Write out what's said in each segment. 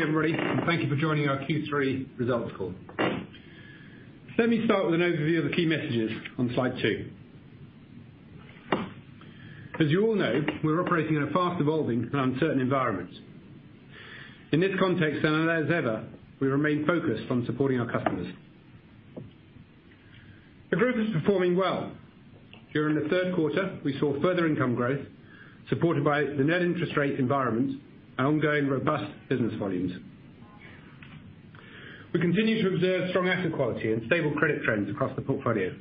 Good morning, everybody, and thank you for joining our Q3 results call. Let me start with an overview of the key messages on slide two. As you all know, we're operating in a fast-evolving and uncertain environment. In this context, and as ever, we remain focused on supporting our customers. The group is performing well. During the third quarter, we saw further income growth, supported by the net interest rate environment and ongoing robust business volumes. We continue to observe strong asset quality and stable credit trends across the portfolio.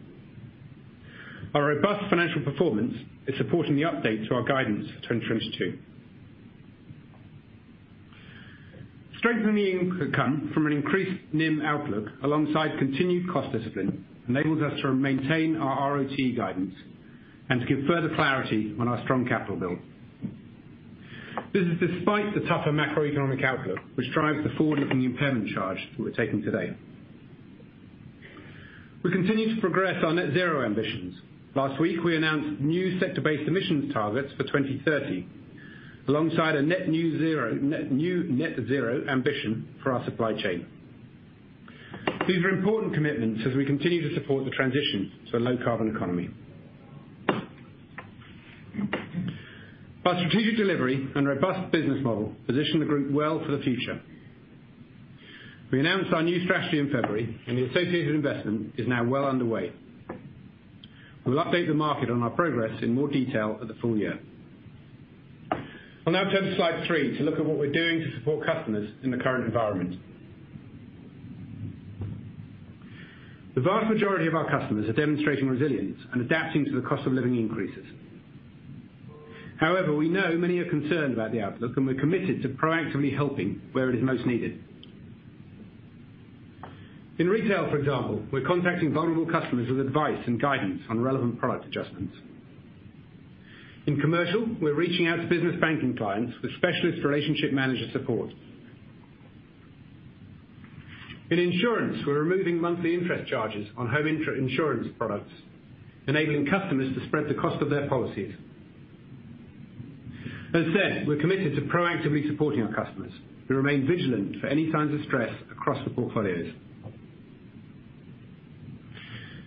Our robust financial performance is supporting the update to our guidance for 2022. Strengthening could come from an increased NIM outlook alongside continued cost discipline, enables us to maintain our RoTE guidance and to give further clarity on our strong capital build. This is despite the tougher macroeconomic outlook, which drives the forward-looking impairment charge that we're taking today. We continue to progress our net zero ambitions. Last week, we announced new sector-based emissions targets for 2030, alongside a net-zero ambition for our supply chain. These are important commitments as we continue to support the transition to a low carbon economy. Our strategic delivery and robust business model position the group well for the future. We announced our new strategy in February and the associated investment is now well underway. We'll update the market on our progress in more detail for the full year. I'll now turn to slide three to look at what we're doing to support customers in the current environment. The vast majority of our customers are demonstrating resilience and adapting to the cost of living increases. However, we know many are concerned about the outlook, and we're committed to proactively helping where it is most needed. In retail, for example, we're contacting vulnerable customers with advice and guidance on relevant product adjustments. In commercial, we're reaching out to business banking clients with specialist relationship manager support. In insurance, we're removing monthly interest charges on home and contents insurance products, enabling customers to spread the cost of their policies. As I said, we're committed to proactively supporting our customers. We remain vigilant for any signs of stress across the portfolios.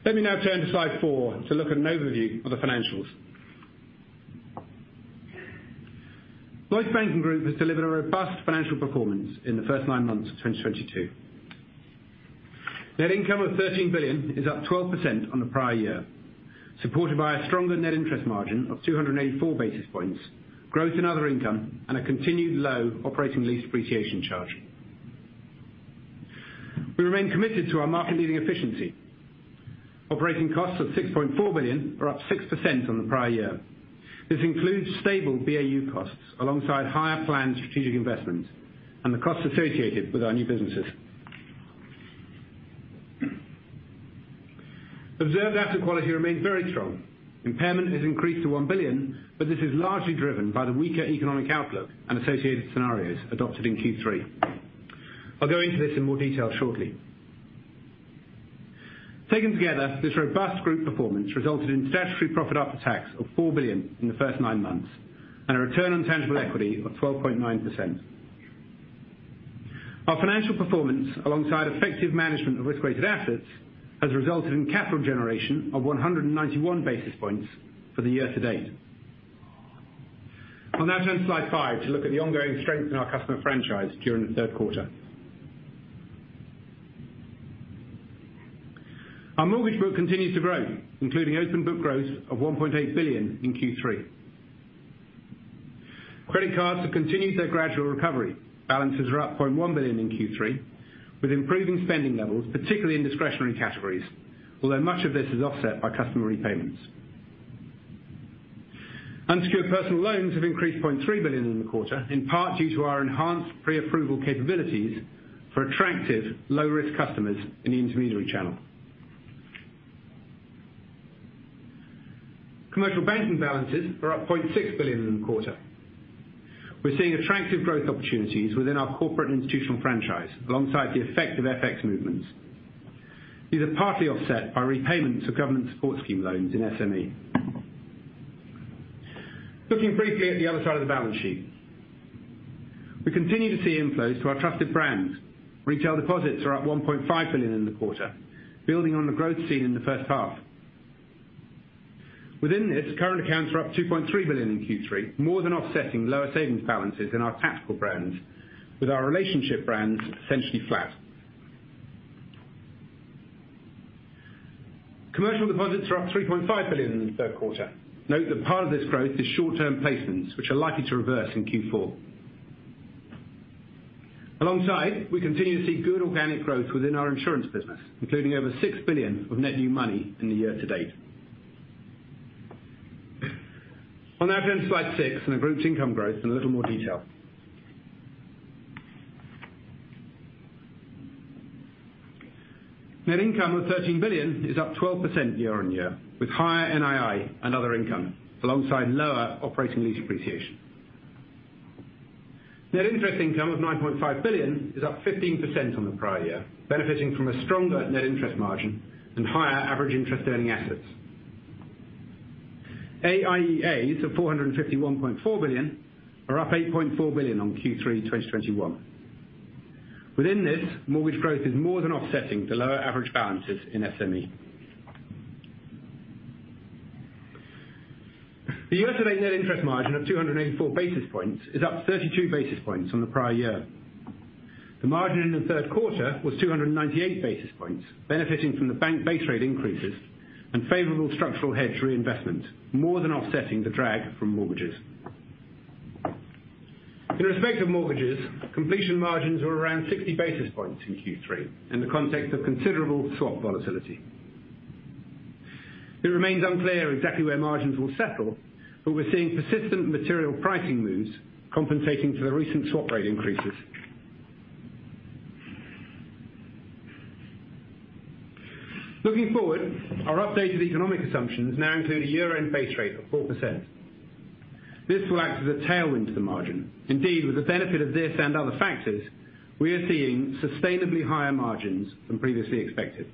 Let me now turn to slide four to look at an overview of the financials. Lloyds Banking Group has delivered a robust financial performance in the first nine months of 2022. Net income of 13 billion is up 12% on the prior year, supported by a stronger net interest margin of 284 basis points, growth in other income, and a continued low operating lease depreciation charge. We remain committed to our market-leading efficiency. Operating costs of 6.4 billion are up 6% on the prior year. This includes stable BAU costs alongside higher planned strategic investments and the costs associated with our new businesses. Observed asset quality remains very strong. Impairment has increased to 1 billion, but this is largely driven by the weaker economic outlook and associated scenarios adopted in Q3. I'll go into this in more detail shortly. Taken together, this robust group performance resulted in statutory profit after tax of 4 billion in the first nine months and a return on tangible equity of 12.9%. Our financial performance, alongside effective management of risk-weighted assets, has resulted in capital generation of 191 basis points for the year to date. I'll now turn to slide five to look at the ongoing strength in our customer franchise during the third quarter. Our mortgage book continues to grow, including open book growth of 1.8 billion in Q3. Credit cards have continued their gradual recovery. Balances are up 0.1 billion in Q3, with improving spending levels, particularly in discretionary categories, although much of this is offset by customer repayments. Unsecured personal loans have increased 0.3 billion in the quarter, in part due to our enhanced preapproval capabilities for attractive low-risk customers in the intermediary channel. Commercial banking balances are up 0.6 billion in the quarter. We're seeing attractive growth opportunities within our corporate institutional franchise alongside the effect of FX movements. These are partly offset by repayments of government support scheme loans in SME. Looking briefly at the other side of the balance sheet. We continue to see inflows to our trusted brands. Retail deposits are up 1.5 billion in the quarter, building on the growth seen in the first half. Within this, current accounts are up 2.3 billion in Q3, more than offsetting lower savings balances in our tactical brands, with our relationship brands essentially flat. Commercial deposits are up 3.5 billion in the third quarter. Note that part of this growth is short-term placements, which are likely to reverse in Q4. Alongside, we continue to see good organic growth within our insurance business, including over 6 billion of net new money in the year to date. I'll now turn to slide six, and the group's income growth in a little more detail. Net income of 13 billion is up 12% year-over-year, with higher NII and other income, alongside lower operating lease appreciation. Net interest income of 9.5 billion is up 15% on the prior year, benefiting from a stronger net interest margin and higher average interest earning assets. AIEAs of 451.4 billion are up 8.4 billion on Q3 2021. Within this, mortgage growth is more than offsetting the lower average balances in SME. The year-to-date net interest margin of 284 basis points is up 32 basis points from the prior year. The margin in the third quarter was 298 basis points, benefiting from the bank base rate increases and favorable structural hedge reinvestment, more than offsetting the drag from mortgages. In respect of mortgages, completion margins were around 60 basis points in Q3 in the context of considerable swap volatility. It remains unclear exactly where margins will settle, but we're seeing persistent material pricing moves compensating for the recent swap rate increases. Looking forward, our updated economic assumptions now include a year-end base rate of 4%. This will act as a tailwind to the margin. Indeed, with the benefit of this and other factors, we are seeing sustainably higher margins than previously expected.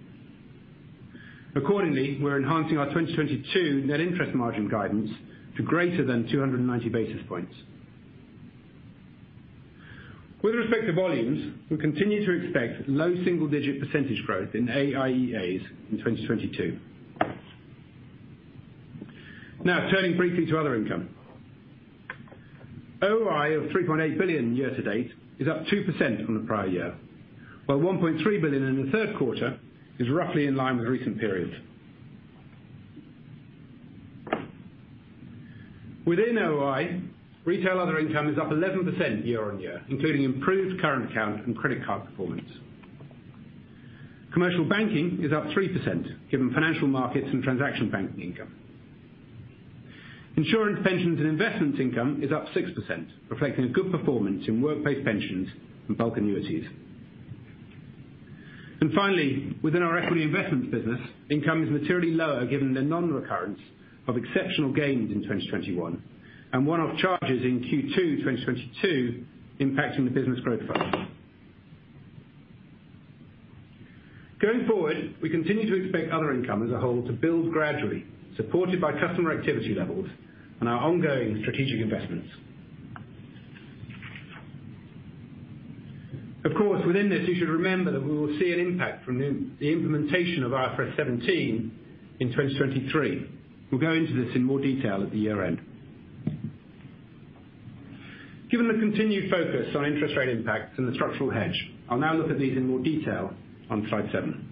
Accordingly, we're enhancing our 2022 net interest margin guidance to greater than 290 basis points. With respect to volumes, we continue to expect low single-digit % growth in AIEAs in 2022. Now turning briefly to other income. OOI of 3.8 billion year to date is up 2% from the prior year, while 1.3 billion in the third quarter is roughly in line with recent periods. Within OOI, retail other income is up 11% year on year, including improved current account and credit card performance. Commercial banking is up 3% given financial markets and transaction banking income. Insurance, pensions, and investments income is up 6%, reflecting a good performance in workplace pensions and bulk annuities. Finally, within our equity investments business, income is materially lower given the non-recurrence of exceptional gains in 2021 and one-off charges in Q2 2022 impacting the Business Growth Fund. Going forward, we continue to expect other income as a whole to build gradually, supported by customer activity levels and our ongoing strategic investments. Of course, within this, you should remember that we will see an impact from the implementation of IFRS 17 in 2023. We'll go into this in more detail at the year end. Given the continued focus on interest rate impacts and the structural hedge, I'll now look at these in more detail on slide seven.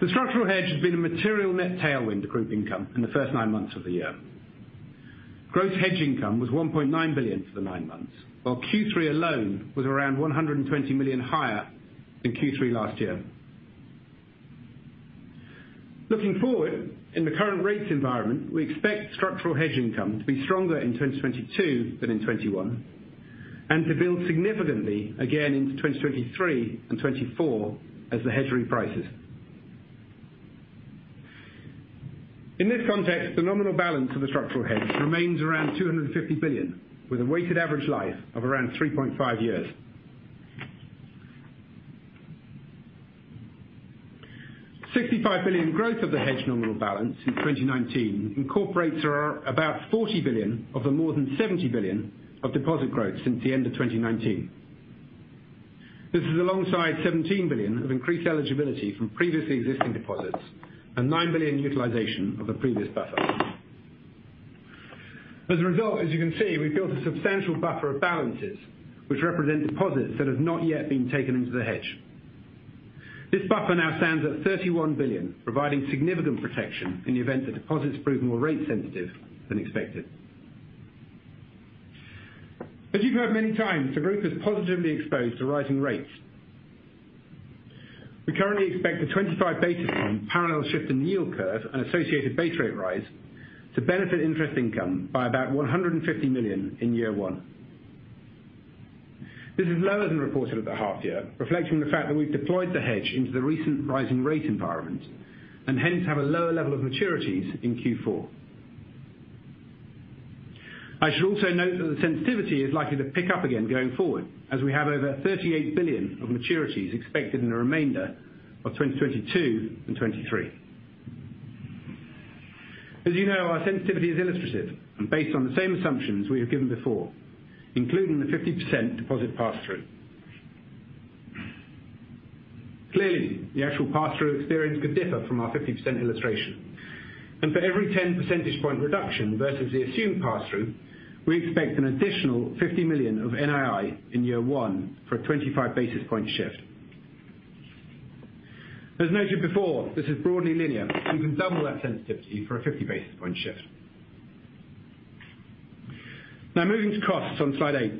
The structural hedge has been a material net tailwind to group income in the first nine months of the year. Gross hedge income was 1.9 billion for the nine months, while Q3 alone was around 120 million higher than Q3 last year. Looking forward, in the current rates environment, we expect structural hedge income to be stronger in 2022 than in 2021, and to build significantly again into 2023 and 2024 as the hedge reprices. In this context, the nominal balance of the structural hedge remains around 250 billion, with a weighted average life of around 3.5 years. 65 billion growth of the hedge nominal balance since 2019 incorporates around about 40 billion of the more than 70 billion of deposit growth since the end of 2019. This is alongside 17 billion of increased eligibility from previously existing deposits and 9 billion utilization of the previous buffer. As a result, as you can see, we've built a substantial buffer of balances which represent deposits that have not yet been taken into the hedge. This buffer now stands at 31 billion, providing significant protection in the event that deposits prove more rate sensitive than expected. As you've heard many times, the group is positively exposed to rising rates. We currently expect a 25 basis point parallel shift in yield curve and associated base rate rise to benefit interest income by about 150 million in year one. This is lower than reported at the half year, reflecting the fact that we've deployed the hedge into the recent rising rate environment and hence have a lower level of maturities in Q4. I should also note that the sensitivity is likely to pick up again going forward, as we have over 38 billion of maturities expected in the remainder of 2022 and 2023. As you know, our sensitivity is illustrative and based on the same assumptions we have given before, including the 50% deposit pass-through. Clearly, the actual pass-through experience could differ from our 50% illustration. For every 10 percentage point reduction versus the assumed pass-through, we expect an additional 50 million of NII in year one for a 25 basis point shift. As noted before, this is broadly linear. You can double that sensitivity for a 50 basis point shift. Now moving to costs on slide eight.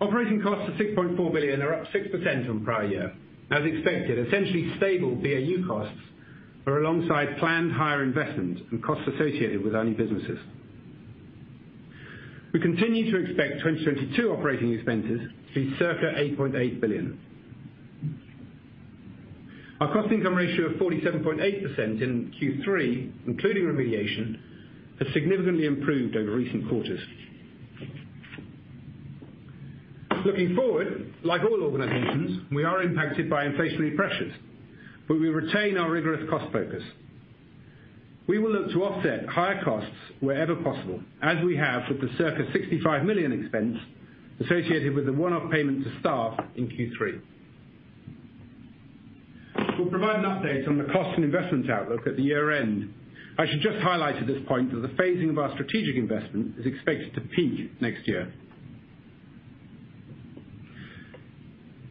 Operating costs of 6.4 billion are up 6% on prior year. As expected, essentially stable BAU costs are alongside planned higher investment and costs associated with our new businesses. We continue to expect 2022 operating expenses to be circa 8.8 billion. Our cost income ratio of 47.8% in Q3, including remediation, has significantly improved over recent quarters. Looking forward, like all organizations, we are impacted by inflationary pressures, but we retain our rigorous cost focus. We will look to offset higher costs wherever possible, as we have with the circa 65 million expense associated with the one-off payment to staff in Q3. We'll provide an update on the cost and investment outlook at the year-end. I should just highlight at this point that the phasing of our strategic investment is expected to peak next year.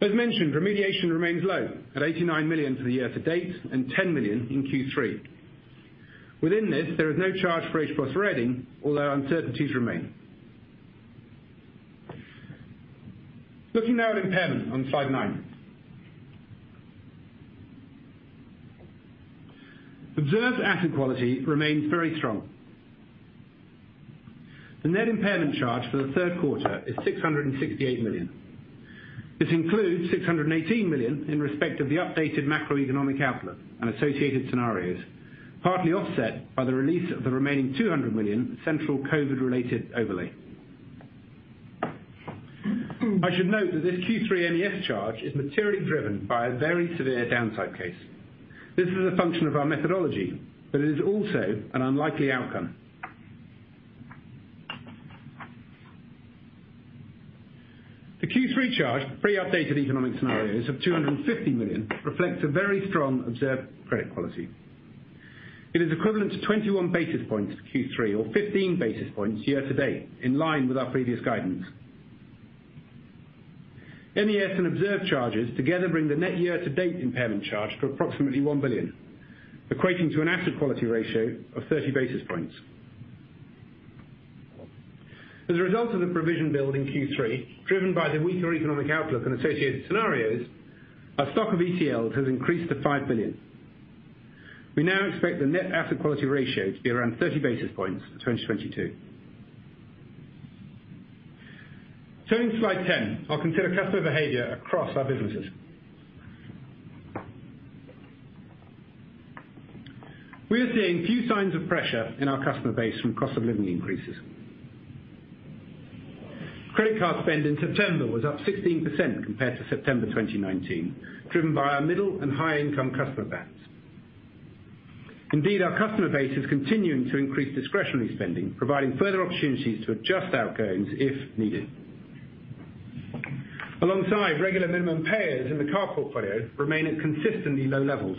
As mentioned, remediation remains low at 89 million for the year to date and 10 million in Q3. Within this, there is no charge for HBOS Reading, although uncertainties remain. Looking now at impairment on slide nine. Observed asset quality remains very strong. The net impairment charge for the third quarter is 668 million. This includes 618 million in respect of the updated macroeconomic outlook and associated scenarios, partly offset by the release of the remaining 200 million central COVID related overlay. I should note that this Q3 MES charge is materially driven by a very severe downside case. This is a function of our methodology, but it is also an unlikely outcome. The Q3 charge pre-updated economic scenarios of 250 million reflects a very strong observed credit quality. It is equivalent to 21 basis points Q3 or 15 basis points year to date, in line with our previous guidance. NES and observed charges together bring the net year to date impairment charge to approximately 1 billion, equating to an asset quality ratio of 30 basis points. As a result of the provision build in Q3, driven by the weaker economic outlook and associated scenarios, our stock of ECL has increased to 5 billion. We now expect the net asset quality ratio to be around 30 basis points for 2022. Turning to slide 10, I'll consider customer behavior across our businesses. We are seeing few signs of pressure in our customer base from cost of living increases. Credit card spend in September was up 16% compared to September 2019, driven by our middle and high income customer bands. Indeed, our customer base is continuing to increase discretionary spending, providing further opportunities to adjust outcomes if needed. Alongside regular minimum payers in the card portfolio remain at consistently low levels.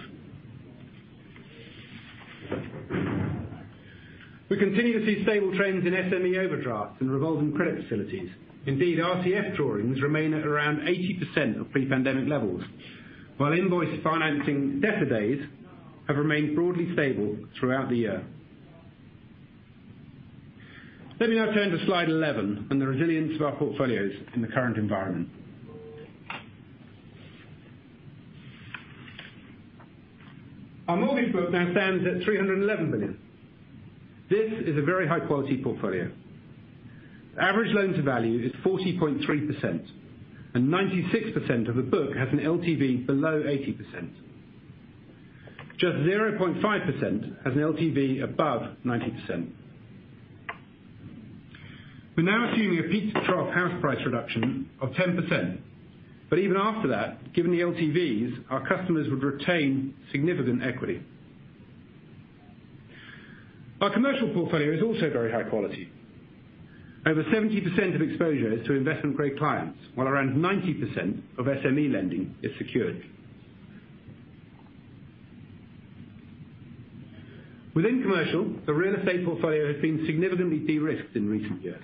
We continue to see stable trends in SME overdraft and revolving credit facilities. Indeed, RCF drawings remain at around 80% of pre-pandemic levels, while invoice financing debtor days have remained broadly stable throughout the year. Let me now turn to slide 11 and the resilience of our portfolios in the current environment. Our mortgage book now stands at 311 billion. This is a very high quality portfolio. Average loan to value is 40.3%, and 96% of the book has an LTV below 80%. Just 0.5% has an LTV above 90%. We're now assuming a peak to trough house price reduction of 10%. Even after that, given the LTVs, our customers would retain significant equity. Our commercial portfolio is also very high quality. Over 70% of exposure is to investment grade clients, while around 90% of SME lending is secured. Within commercial, the real estate portfolio has been significantly de-risked in recent years.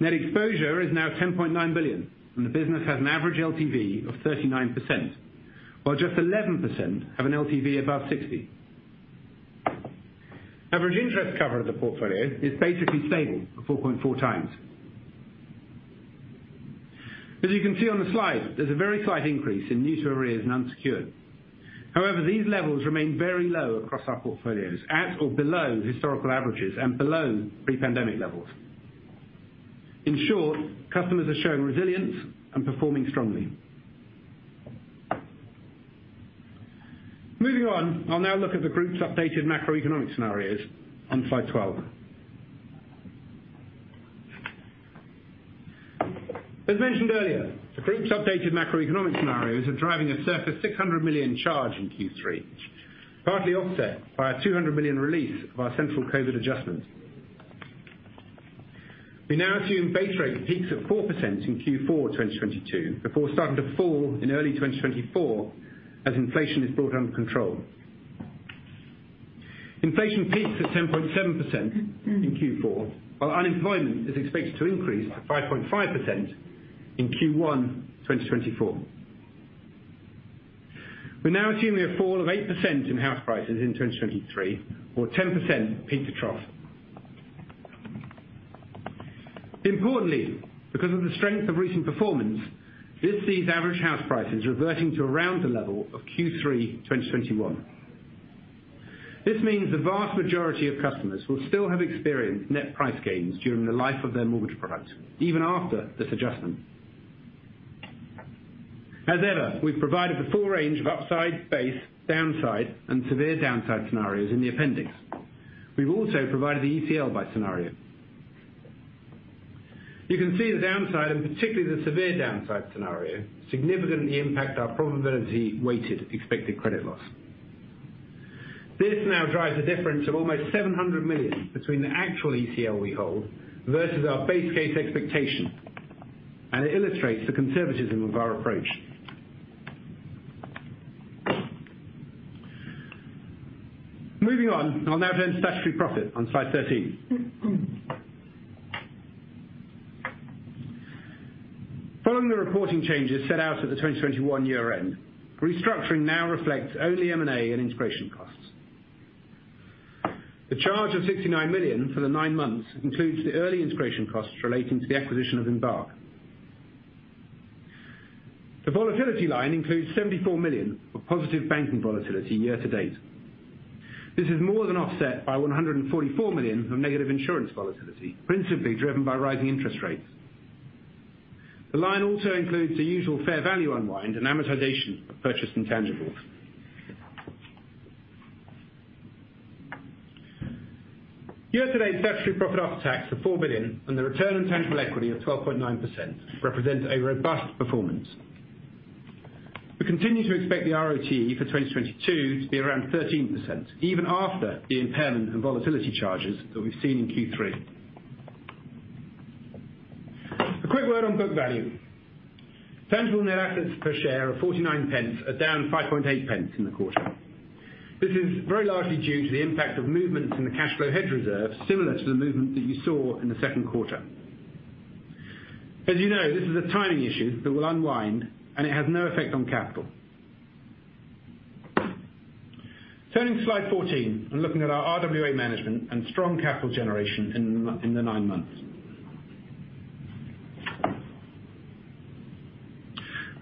Net exposure is now 10.9 billion and the business has an average LTV of 39%, while just 11% have an LTV above 60. Average interest cover of the portfolio is basically stable at 4.4x. As you can see on the slide, there's a very slight increase in new to arrears and unsecured. However, these levels remain very low across our portfolios at or below historical averages and below pre-pandemic levels. In short, customers are showing resilience and performing strongly. Moving on, I'll now look at the group's updated macroeconomic scenarios on slide 12. As mentioned earlier, the group's updated macroeconomic scenarios are driving a circa 600 million charge in Q3, partly offset by a 200 million release of our central COVID adjustment. We now assume base rate peaks at 4% in Q4 2022 before starting to fall in early 2024 as inflation is brought under control. Inflation peaks at 10.7% in Q4 while unemployment is expected to increase to 5.5% in Q1 2024. We're now assuming a fall of 8% in house prices in 2023 or 10% peak to trough. Importantly, because of the strength of recent performance, this sees average house prices reverting to around the level of Q3 2021. This means the vast majority of customers will still have experienced net price gains during the life of their mortgage product, even after this adjustment. As ever, we've provided the full range of upside, base, downside, and severe downside scenarios in the appendix. We've also provided the ECL by scenario. You can see the downside, and particularly the severe downside scenario, significantly impact our probability weighted expected credit loss. This now drives a difference of almost 700 million between the actual ECL we hold versus our base case expectation, and it illustrates the conservatism of our approach. Moving on, I'll now address statutory profit on slide 13. Following the reporting changes set out at the 2021 year end, restructuring now reflects only M&A and integration costs. The charge of 69 million for the nine months includes the early integration costs relating to the acquisition of Embark. The volatility line includes 74 million of positive banking volatility year to date. This is more than offset by 144 million of negative insurance volatility, principally driven by rising interest rates. The line also includes the usual fair value unwind and amortization of purchased intangibles. Year-to-date statutory profit after tax of 4 billion on the Return on Tangible Equity of 12.9% represents a robust performance. We continue to expect the RoTE for 2022 to be around 13% even after the impairment and volatility charges that we've seen in Q3. A quick word on book value. Tangible net assets per share of 0.49 are down 0.058 in the quarter. This is very largely due to the impact of movements in the cash flow hedge reserve, similar to the movement that you saw in the second quarter. As you know, this is a timing issue that will unwind, and it has no effect on capital. Turning to slide 14 and looking at our RWA management and strong capital generation in the nine months.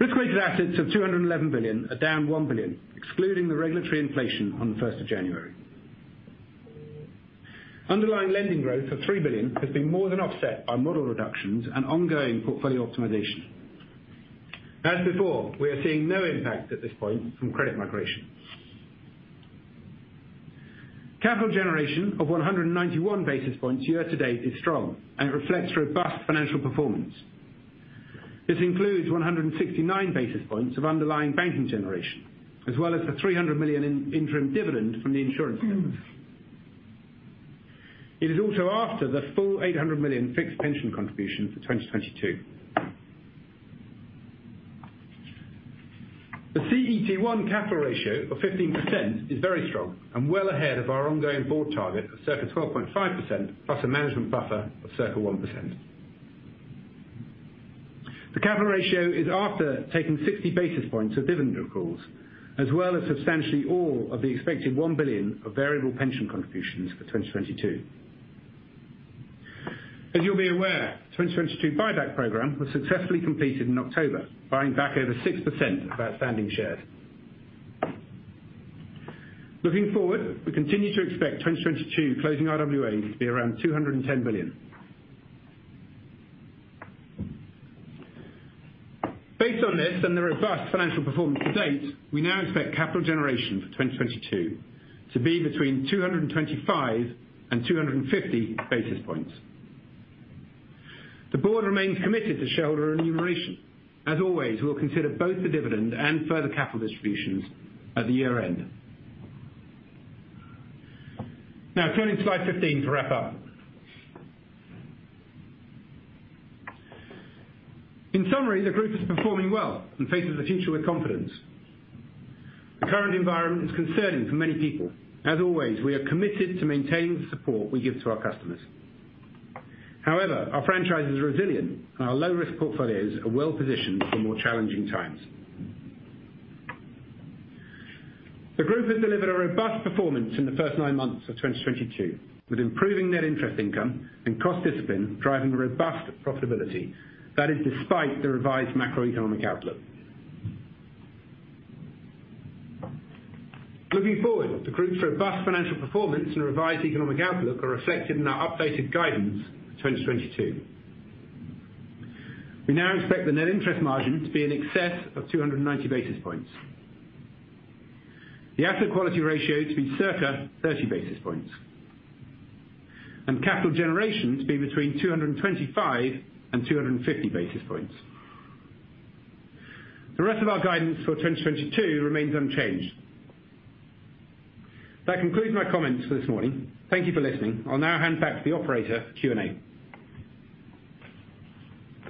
Risk-weighted assets of 211 billion are down 1 billion, excluding the regulatory inflation on the first of January. Underlying lending growth of 3 billion has been more than offset by model reductions and ongoing portfolio optimization. As before, we are seeing no impact at this point from credit migration. Capital generation of 191 basis points year to date is strong and reflects robust financial performance. This includes 169 basis points of underlying banking generation, as well as the 300 million in interim dividend from the insurance business. It is also after the full 800 million fixed pension contribution for 2022. The CET1 capital ratio of 15% is very strong and well ahead of our ongoing board target of circa 12.5%, plus a management buffer of circa 1%. The capital ratio is after taking 60 basis points of dividend accruals, as well as substantially all of the expected 1 billion of variable pension contributions for 2022. As you'll be aware, the 2022 buyback program was successfully completed in October, buying back over 6% of outstanding shares. Looking forward, we continue to expect 2022 closing RWAs to be around 210 billion. Based on this and the robust financial performance to date, we now expect capital generation for 2022 to be between 225 and 250 basis points. The board remains committed to shareholder remuneration. As always, we'll consider both the dividend and further capital distributions at the year end. Now turning to slide 15 to wrap up. In summary, the group is performing well and faces the future with confidence. The current environment is concerning for many people. As always, we are committed to maintaining the support we give to our customers. However, our franchise is resilient, and our low-risk portfolios are well positioned for more challenging times. The group has delivered a robust performance in the first nine months of 2022, with improving net interest income and cost discipline driving robust profitability. That is despite the revised macroeconomic outlook. Looking forward, the group's robust financial performance and revised economic outlook are reflected in our updated guidance for 2022. We now expect the net interest margin to be in excess of 290 basis points, the asset quality ratio to be circa 30 basis points, and capital generation to be between 225 and 250 basis points. The rest of our guidance for 2022 remains unchanged. That concludes my comments for this morning. Thank you for listening. I'll now hand back to the operator for Q&A.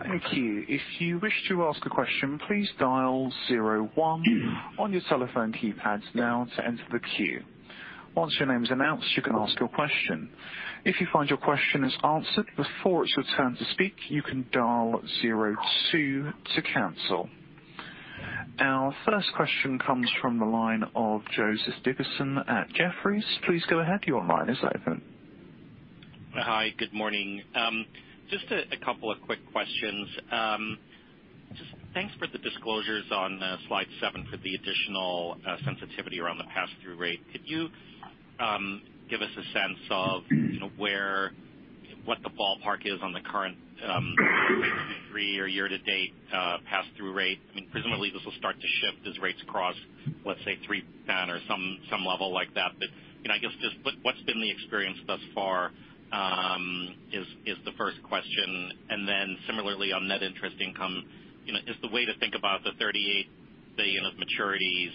Thank you. If you wish to ask a question, please dial zero one on your telephone keypads now to enter the queue. Once your name is announced, you can ask your question. If you find your question is answered before it's your turn to speak, you can dial zero two to cancel. Our first question comes from the line of Joe Dickerson at Jefferies. Please go ahead. Your line is open. Hi, good morning. Just a couple of quick questions. Just thanks for the disclosures on slide seven for the additional sensitivity around the pass-through rate. Could you give us a sense of, you know, what the ballpark is on the current 3Q or year-to-date pass-through rate? I mean, presumably this will start to shift as rates cross, let's say 3.10% or some level like that. You know, I guess just what what's been the experience thus far is the first question. Similarly on net interest income, you know, is the way to think about the 38 billion of maturities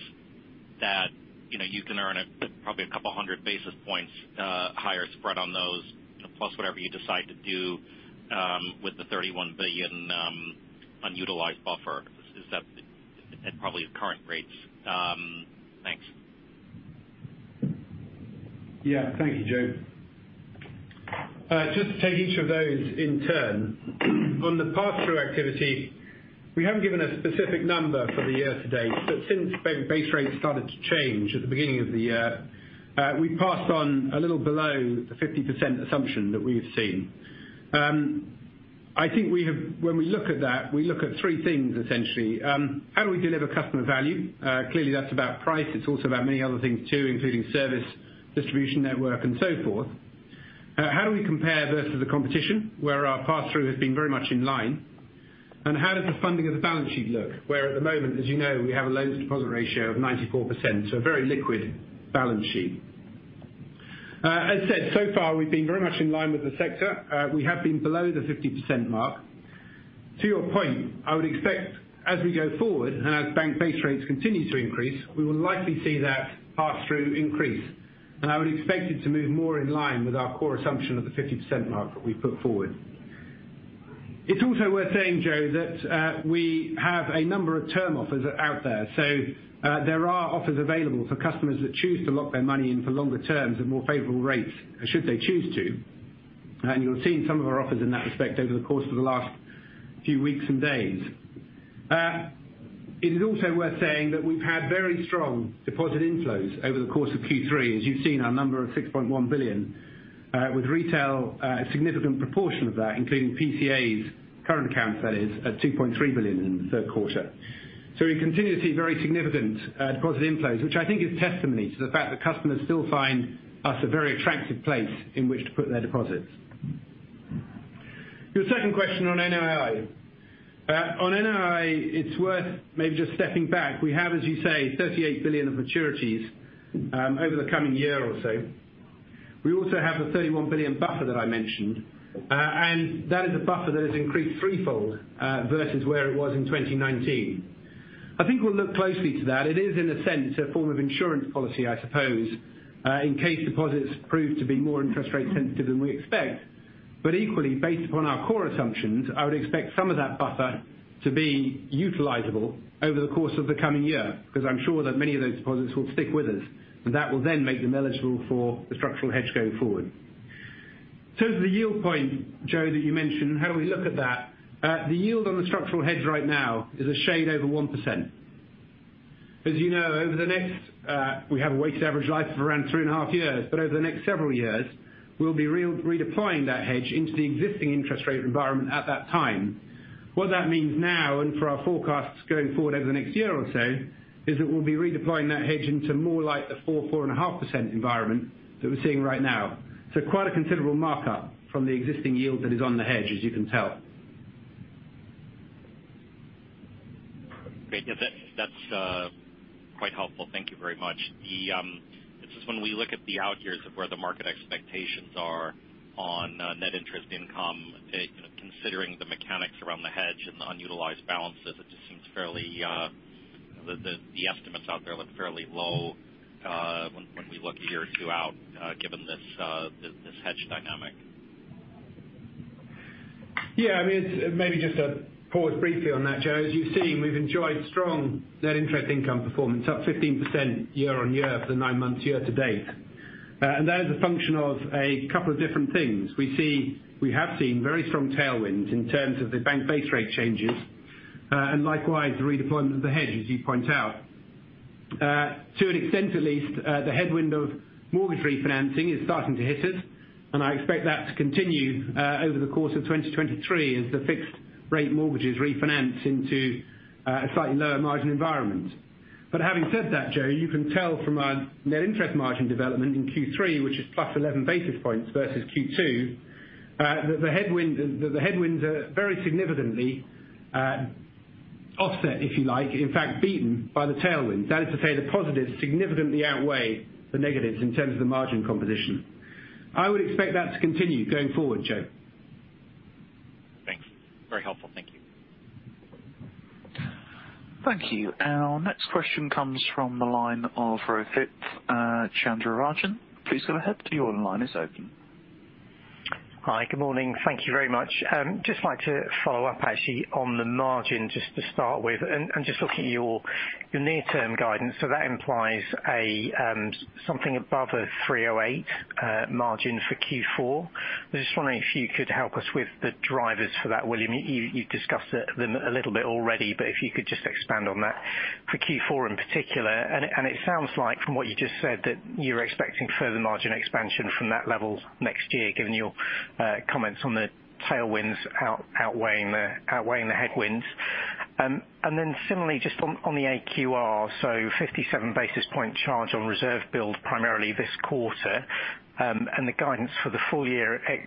that, you know, you can earn a probably a couple hundred basis points higher spread on those plus whatever you decide to do with the 31 billion unutilized buffer. Is that At probably current rates. Thanks. Yeah. Thank you, Joe. Just to take each of those in turn. On the pass-through activity, we haven't given a specific number for the year to date. Since bank base rates started to change at the beginning of the year, we passed on a little below the 50% assumption that we've seen. I think when we look at that, we look at three things essentially. How do we deliver customer value? Clearly that's about price. It's also about many other things too, including service, distribution network and so forth. How do we compare versus the competition, where our pass-through has been very much in line? How does the funding of the balance sheet look, where at the moment, as you know, we have a loan-to-deposit ratio of 94%, so a very liquid balance sheet. As said, so far we've been very much in line with the sector. We have been below the 50% mark. To your point, I would expect as we go forward and as bank base rates continue to increase, we will likely see that pass-through increase. I would expect it to move more in line with our core assumption of the 50% mark that we put forward. It's also worth saying, Joe, that we have a number of term offers out there. There are offers available for customers that choose to lock their money in for longer terms at more favorable rates should they choose to. You'll have seen some of our offers in that respect over the course of the last few weeks and days. It is also worth saying that we've had very strong deposit inflows over the course of Q3. As you've seen our number of 6.1 billion, with retail, a significant proportion of that, including PCA's current accounts that is at 2.3 billion in the third quarter. We continue to see very significant, deposit inflows, which I think is testimony to the fact that customers still find us a very attractive place in which to put their deposits. Your second question on NII. On NII, it's worth maybe just stepping back. We have, as you say, 38 billion of maturities, over the coming year or so. We also have the 31 billion buffer that I mentioned. That is a buffer that has increased threefold, versus where it was in 2019. I think we'll look closely to that. It is in a sense a form of insurance policy, I suppose, in case deposits prove to be more interest rate sensitive than we expect. Equally, based upon our core assumptions, I would expect some of that buffer to be utilizable over the course of the coming year, because I'm sure that many of those deposits will stick with us, and that will then make them eligible for the structural hedge going forward. In terms of the yield point, Joe, that you mentioned, how do we look at that? The yield on the structural hedge right now is a shade over 1%. As you know, over the next, we have a weighted average life of around three and a half years, but over the next several years, we'll be redeploying that hedge into the existing interest rate environment at that time. What that means now and for our forecasts going forward over the next year or so, is that we'll be redeploying that hedge into more like the 4%-4.5% environment that we're seeing right now. Quite a considerable markup from the existing yield that is on the hedge, as you can tell. Great. Yeah, that's quite helpful. Thank you very much. It's just when we look at the out years of where the market expectations are on net interest income, you know, considering the mechanics around the hedge and the unutilized balances, it just seems fairly, the estimates out there look fairly low when we look a year or two out, given this hedge dynamic. Yeah, I mean, maybe just to pause briefly on that, Joe. As you've seen, we've enjoyed strong net interest income performance, up 15% year on year for the nine months year to date. That is a function of a couple of different things. We have seen very strong tailwinds in terms of the bank base rate changes, and likewise the redeployment of the hedge, as you point out. To an extent at least, the headwind of mortgage refinancing is starting to hit us, and I expect that to continue over the course of 2023 as the fixed rate mortgages refinance into a slightly lower margin environment. Having said that, Joe, you can tell from our net interest margin development in Q3, which is +11 basis points versus Q2, that the headwinds are very significantly offset, if you like, in fact, beaten by the tailwind. That is to say the positives significantly outweigh the negatives in terms of the margin composition. I would expect that to continue going forward, Joe. Thanks. Very helpful. Thank you. Thank you. Our next question comes from the line of Rohith Chandra-Rajan. Please go ahead, your line is open. Hi, good morning. Thank you very much. Just like to follow up actually on the margin just to start with and just look at your near term guidance. That implies a something above a 308 margin for Q4. I was just wondering if you could help us with the drivers for that. William, you've discussed them a little bit already, but if you could just expand on that for Q4 in particular. It sounds like from what you just said that you're expecting further margin expansion from that level next year, given your comments on the tailwinds outweighing the headwinds. Then similarly just on the AQR, so 57 basis point charge on reserve build primarily this quarter, and the guidance for the full year, it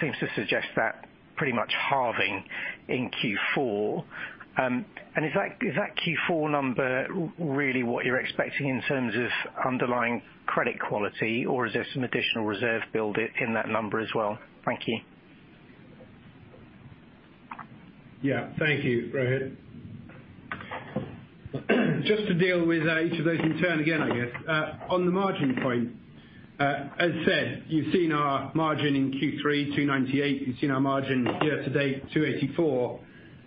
seems to suggest that pretty much halving in Q4. Is that Q4 number really what you're expecting in terms of underlying credit quality? Or is there some additional reserve build in that number as well? Thank you. Yeah. Thank you, Rohith. Just to deal with each of those in turn again, I guess. On the margin point, as said, you've seen our margin in Q3 2.98%. You've seen our margin year to date, 2.84%.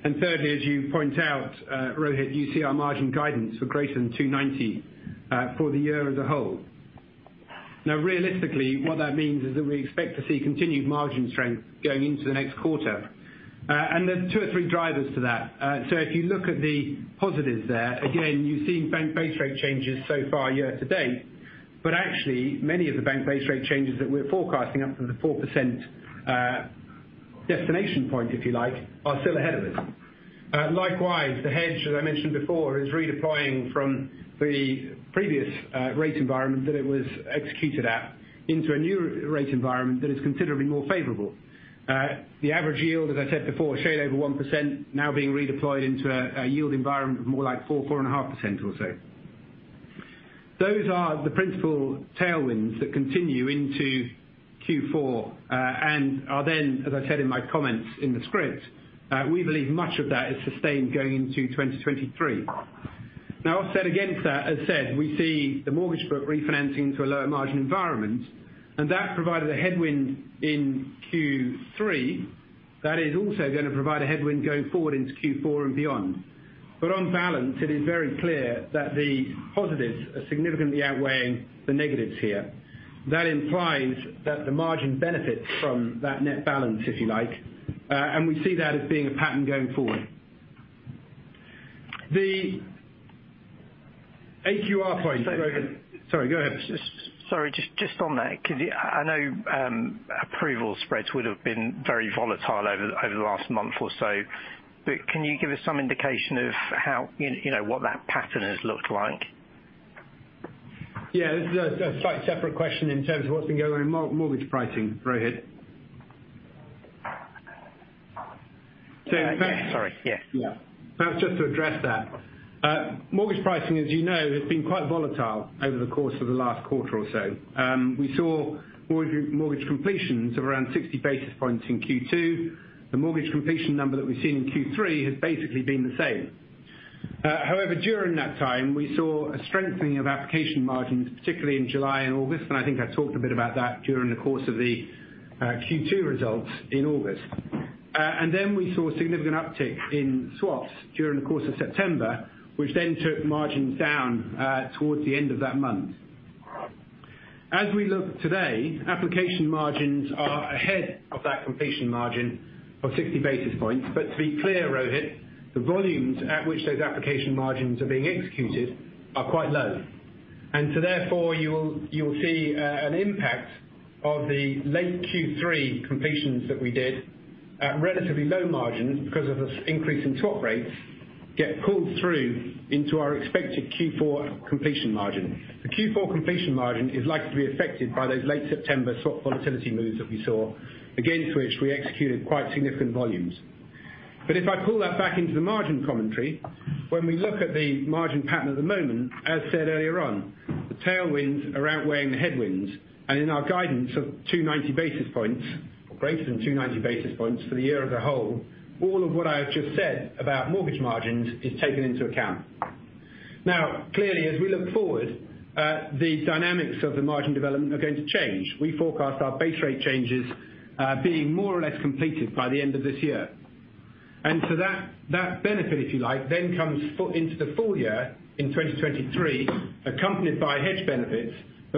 Thirdly, as you point out, Rohith, you see our margin guidance for greater than 2.90% for the year as a whole. Now realistically what that means is that we expect to see continued margin strength going into the next quarter. There are two or three drivers to that. If you look at the positives there, again you're seeing bank base rate changes so far year to date. Actually many of the bank base rate changes that we're forecasting up from the 4% destination point, if you like, are still ahead of us. Likewise, the hedge that I mentioned before is redeploying from the previous rate environment that it was executed at into a new rate environment that is considerably more favorable. The average yield, as I said before, shade over 1% now being redeployed into a yield environment of more like four and a half percent or so. Those are the principal tailwinds that continue into Q4 and are then, as I said in my comments in the script, we believe much of that is sustained going into 2023. Now offset against that, as said, we see the mortgage book refinancing to a lower margin environment, and that provided a headwind in Q3 that is also gonna provide a headwind going forward into Q4 and beyond. On balance, it is very clear that the positives are significantly outweighing the negatives here. That implies that the margin benefits from that net balance, if you like, and we see that as being a pattern going forward. The AQR point- Sorry. Sorry, go ahead. Sorry. Just on that, 'cause I know, approval spreads would have been very volatile over the last month or so. Can you give us some indication of how, you know, what that pattern has looked like? Yeah. This is a slight separate question in terms of what's been going on in mortgage pricing. Rohith. That- Yeah. Sorry. Yeah. Yeah. Perhaps just to address that. Mortgage pricing, as you know, has been quite volatile over the course of the last quarter or so. We saw mortgage completions of around 60 basis points in Q2. The mortgage completion number that we've seen in Q3 has basically been the same. However during that time we saw a strengthening of application margins, particularly in July and August, and I think I talked a bit about that during the course of the Q2 results in August. Then we saw a significant uptick in swaps during the course of September, which then took margins down towards the end of that month. As we look today, application margins are ahead of that completion margin of 60 basis points. To be clear, Rohith, the volumes at which those application margins are being executed are quite low. Therefore, you will see an impact of the late Q3 completions that we did at relatively low margins because of this increase in swap rates, get pulled through into our expected Q4 completion margin. The Q4 completion margin is likely to be affected by those late September swap volatility moves that we saw, against which we executed quite significant volumes. If I pull that back into the margin commentary, when we look at the margin pattern at the moment, as said earlier on, the tailwinds are outweighing the headwinds. In our guidance of 290 basis points, or greater than 290 basis points for the year as a whole, all of what I have just said about mortgage margins is taken into account. Now, clearly as we look forward, the dynamics of the margin development are going to change. We forecast our base rate changes, being more or less completed by the end of this year. That benefit, if you like, then comes full into the full year in 2023, accompanied by hedge benefits.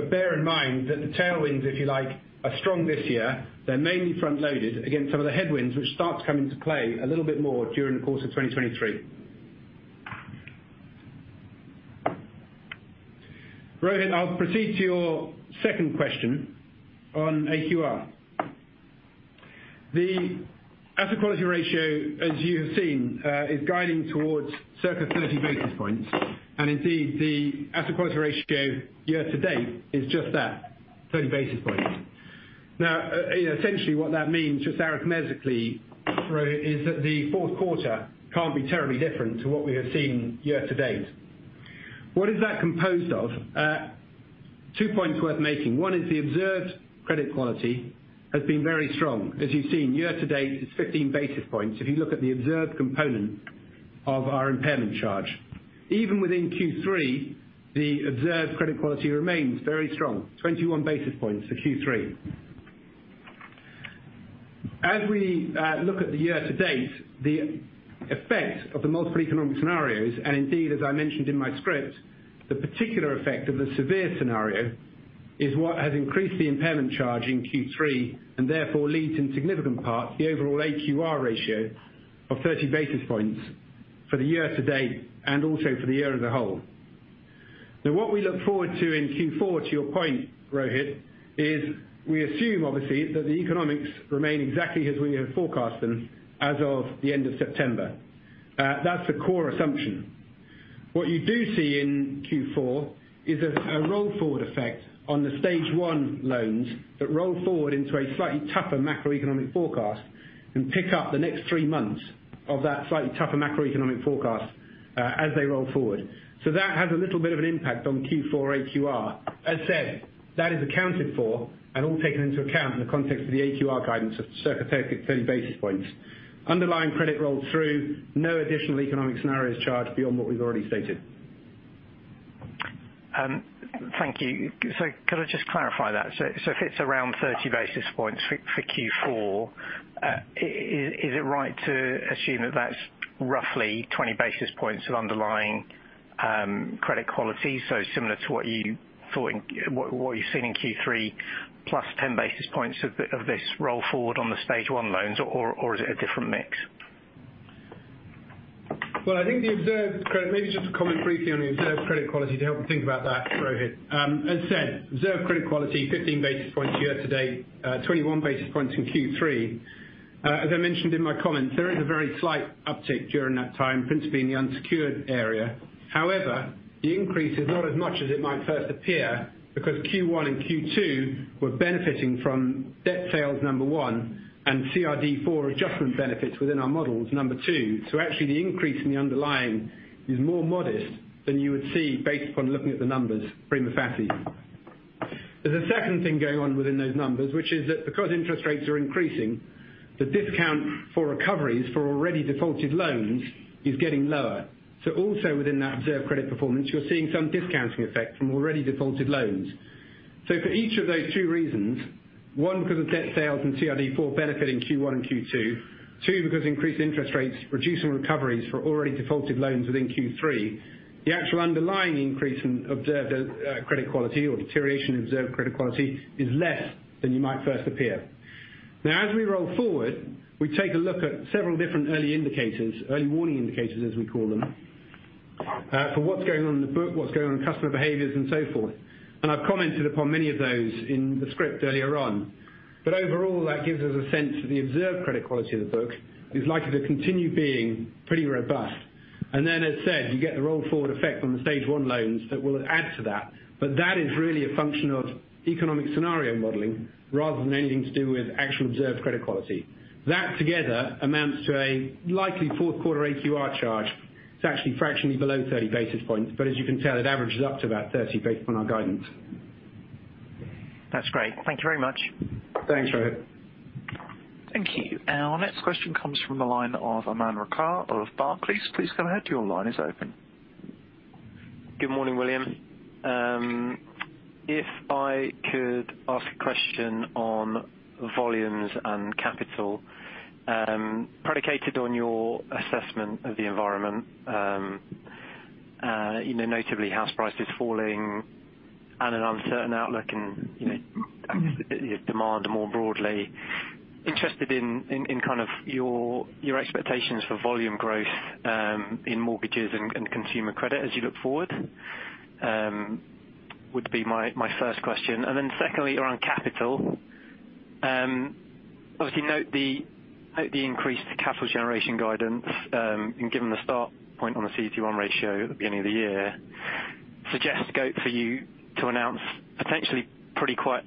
Bear in mind that the tailwinds, if you like, are strong this year. They're mainly front loaded against some of the headwinds which start to come into play a little bit more during the course of 2023. Rohit, I'll proceed to your second question on AQR. The asset quality ratio, as you have seen, is guiding towards circa 30 basis points. Indeed, the asset quality ratio year to date is just that, 30 basis points. Now, essentially what that means just arithmetically, Rohith, is that the fourth quarter can't be terribly different to what we have seen year to date. What is that composed of? Two points worth making. One is the observed credit quality has been very strong. As you've seen year to date, it's 15 basis points if you look at the observed component of our impairment charge. Even within Q3, the observed credit quality remains very strong, 21 basis points for Q3. As we look at the year to date, the effect of the multiple economic scenarios, and indeed as I mentioned in my script, the particular effect of the severe scenario, is what has increased the impairment charge in Q3, and therefore leads in significant part the overall AQR ratio of 30 basis points for the year to date, and also for the year as a whole. Now what we look forward to in Q4, to your point, Rohith, is we assume obviously that the economics remain exactly as we have forecast them as of the end of September. That's the core assumption. What you do see in Q4 is a roll-forward effect on the stage one loans that roll forward into a slightly tougher macroeconomic forecast and pick up the next three months of that slightly tougher macroeconomic forecast, as they roll forward. That has a little bit of an impact on Q4 AQR. As said, that is accounted for and all taken into account in the context of the AQR guidance of circa 30 basis points. Underlying credit rolled through, no additional economic scenarios charged beyond what we've already stated. Thank you. Could I just clarify that? If it's around 30 basis points for Q4, is it right to assume that that's roughly 20 basis points of underlying credit quality, so similar to what you've seen in Q3, plus 10 basis points of this roll forward on the stage one loans, or is it a different mix? Maybe just to comment briefly on the observed credit quality to help you think about that, Rohith. As said, observed credit quality 15 basis points year to date, 21 basis points in Q3. As I mentioned in my comments, there is a very slight uptick during that time, principally in the unsecured area. However, the increase is not as much as it might first appear because Q1 and Q2 were benefiting from debt sales, number one, and CRD IV adjustment benefits within our models, number two. Actually the increase in the underlying is more modest than you would see based upon looking at the numbers prima facie. There's a second thing going on within those numbers, which is that because interest rates are increasing, the discount for recoveries for already defaulted loans is getting lower. Also within that observed credit performance, you're seeing some discounting effect from already defaulted loans. For each of those two reasons, one because of debt sales and CRD IV benefiting Q1 and Q2, two, because increased interest rates reducing recoveries for already defaulted loans within Q3, the actual underlying increase in observed credit quality or deterioration in observed credit quality is less than it might first appear. Now as we roll forward, we take a look at several different early indicators, early warning indicators as we call them for what's going on in the book, what's going on in customer behaviors and so forth. I've commented upon many of those in the script earlier on. Overall that gives us a sense of the observed credit quality of the book is likely to continue being pretty robust. As said, you get the roll-forward effect on the stage one loans that will add to that. That is really a function of economic scenario modeling rather than anything to do with actual observed credit quality. That together amounts to a likely fourth quarter AQR charge. It's actually fractionally below 30 basis points, but as you can tell, it averages up to about 30 based upon our guidance. That's great. Thank you very much. Thanks, Rohith. Thank you. Our next question comes from the line of Aman Rakkar of Barclays. Please go ahead. Your line is open. Good morning, William. If I could ask a question on volumes and capital, predicated on your assessment of the environment, you know, notably house prices falling and an uncertain outlook and, you know, activity of demand more broadly. Interested in kind of your expectations for volume growth in mortgages and consumer credit as you look forward, would be my first question. Then secondly, around capital, obviously note the increased capital generation guidance, and given the start point on the CET1 ratio at the beginning of the year, suggests scope for you to announce potentially pretty quite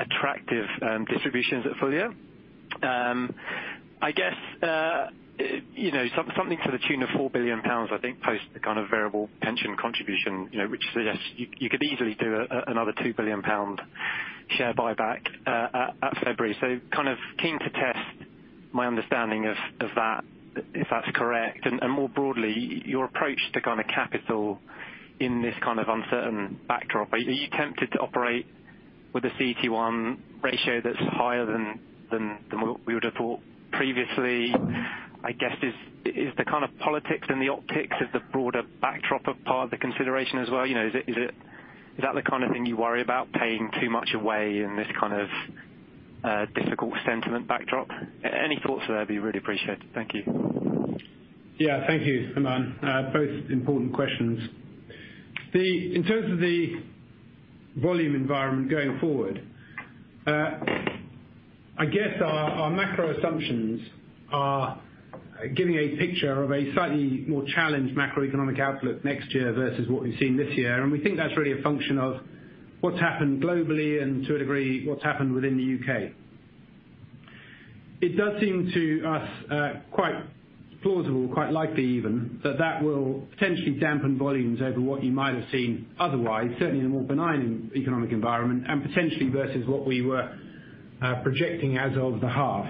attractive distributions at full year. I guess, you know, something to the tune of 4 billion pounds I think post the kind of variable pension contribution, you know, which suggests you could easily do another 2 billion pound share buyback at February. Kind of keen to test my understanding of that, if that's correct. More broadly, your approach to kind of capital in this kind of uncertain backdrop. Are you tempted to operate with a CET1 ratio that's higher than what we would have thought previously? I guess is the kind of politics and the optics of the broader backdrop a part of the consideration as well? You know, is it? Is that the kind of thing you worry about paying too much away in this kind of difficult sentiment backdrop? Any thoughts there would be really appreciated. Thank you. Yeah. Thank you, Aman. Both important questions. In terms of the volume environment going forward, I guess our macro assumptions are giving a picture of a slightly more challenged macroeconomic outlook next year versus what we've seen this year. We think that's really a function of what's happened globally and to a degree, what's happened within the UK. It does seem to us, quite plausible, quite likely even, that that will potentially dampen volumes over what you might have seen otherwise, certainly in a more benign economic environment and potentially versus what we were projecting as of the half.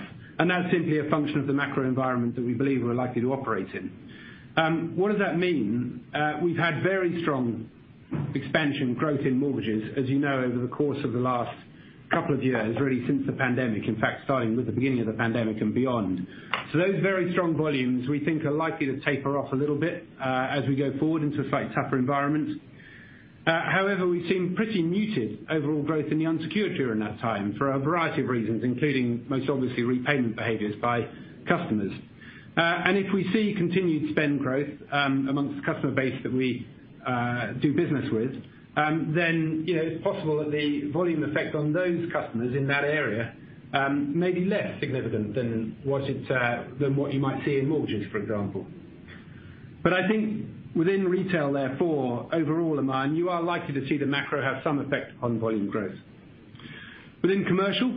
That's simply a function of the macro environment that we believe we're likely to operate in. What does that mean? We've had very strong expansion growth in mortgages, as you know, over the course of the last couple of years, really since the pandemic, in fact, starting with the beginning of the pandemic and beyond. Those very strong volumes we think are likely to taper off a little bit, as we go forward into a slightly tougher environment. However, we've seen pretty muted overall growth in the unsecured during that time for a variety of reasons, including most obviously repayment behaviors by customers. If we see continued spend growth amongst the customer base that we do business with, then, you know, it's possible that the volume effect on those customers in that area may be less significant than what you might see in mortgages, for example. I think within retail, therefore, overall, Aman, you are likely to see the macro have some effect upon volume growth. Within commercial,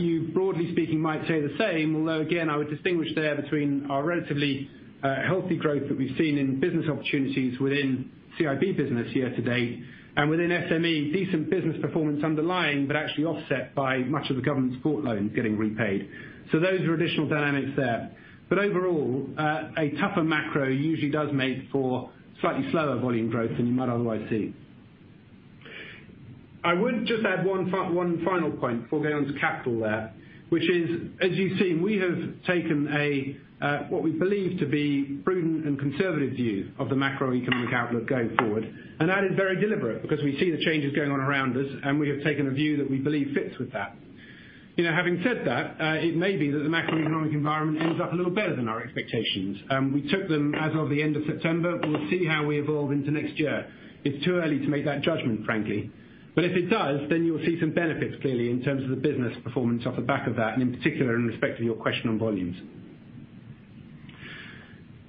you broadly speaking might say the same, although again, I would distinguish there between our relatively, healthy growth that we've seen in business opportunities within CIB business year to date, and within SME, decent business performance underlying, but actually offset by much of the government support loans getting repaid. Those are additional dynamics there. Overall, a tougher macro usually does make for slightly slower volume growth than you might otherwise see. I would just add one final point before going on to capital there, which is, as you've seen, we have taken a what we believe to be prudent and conservative view of the macroeconomic outlook going forward. That is very deliberate because we see the changes going on around us, and we have taken a view that we believe fits with that. You know, having said that, it may be that the macroeconomic environment ends up a little better than our expectations. We took them as of the end of September. We'll see how we evolve into next year. It's too early to make that judgment, frankly. If it does, then you will see some benefits clearly in terms of the business performance off the back of that, and in particular in respect to your question on volumes.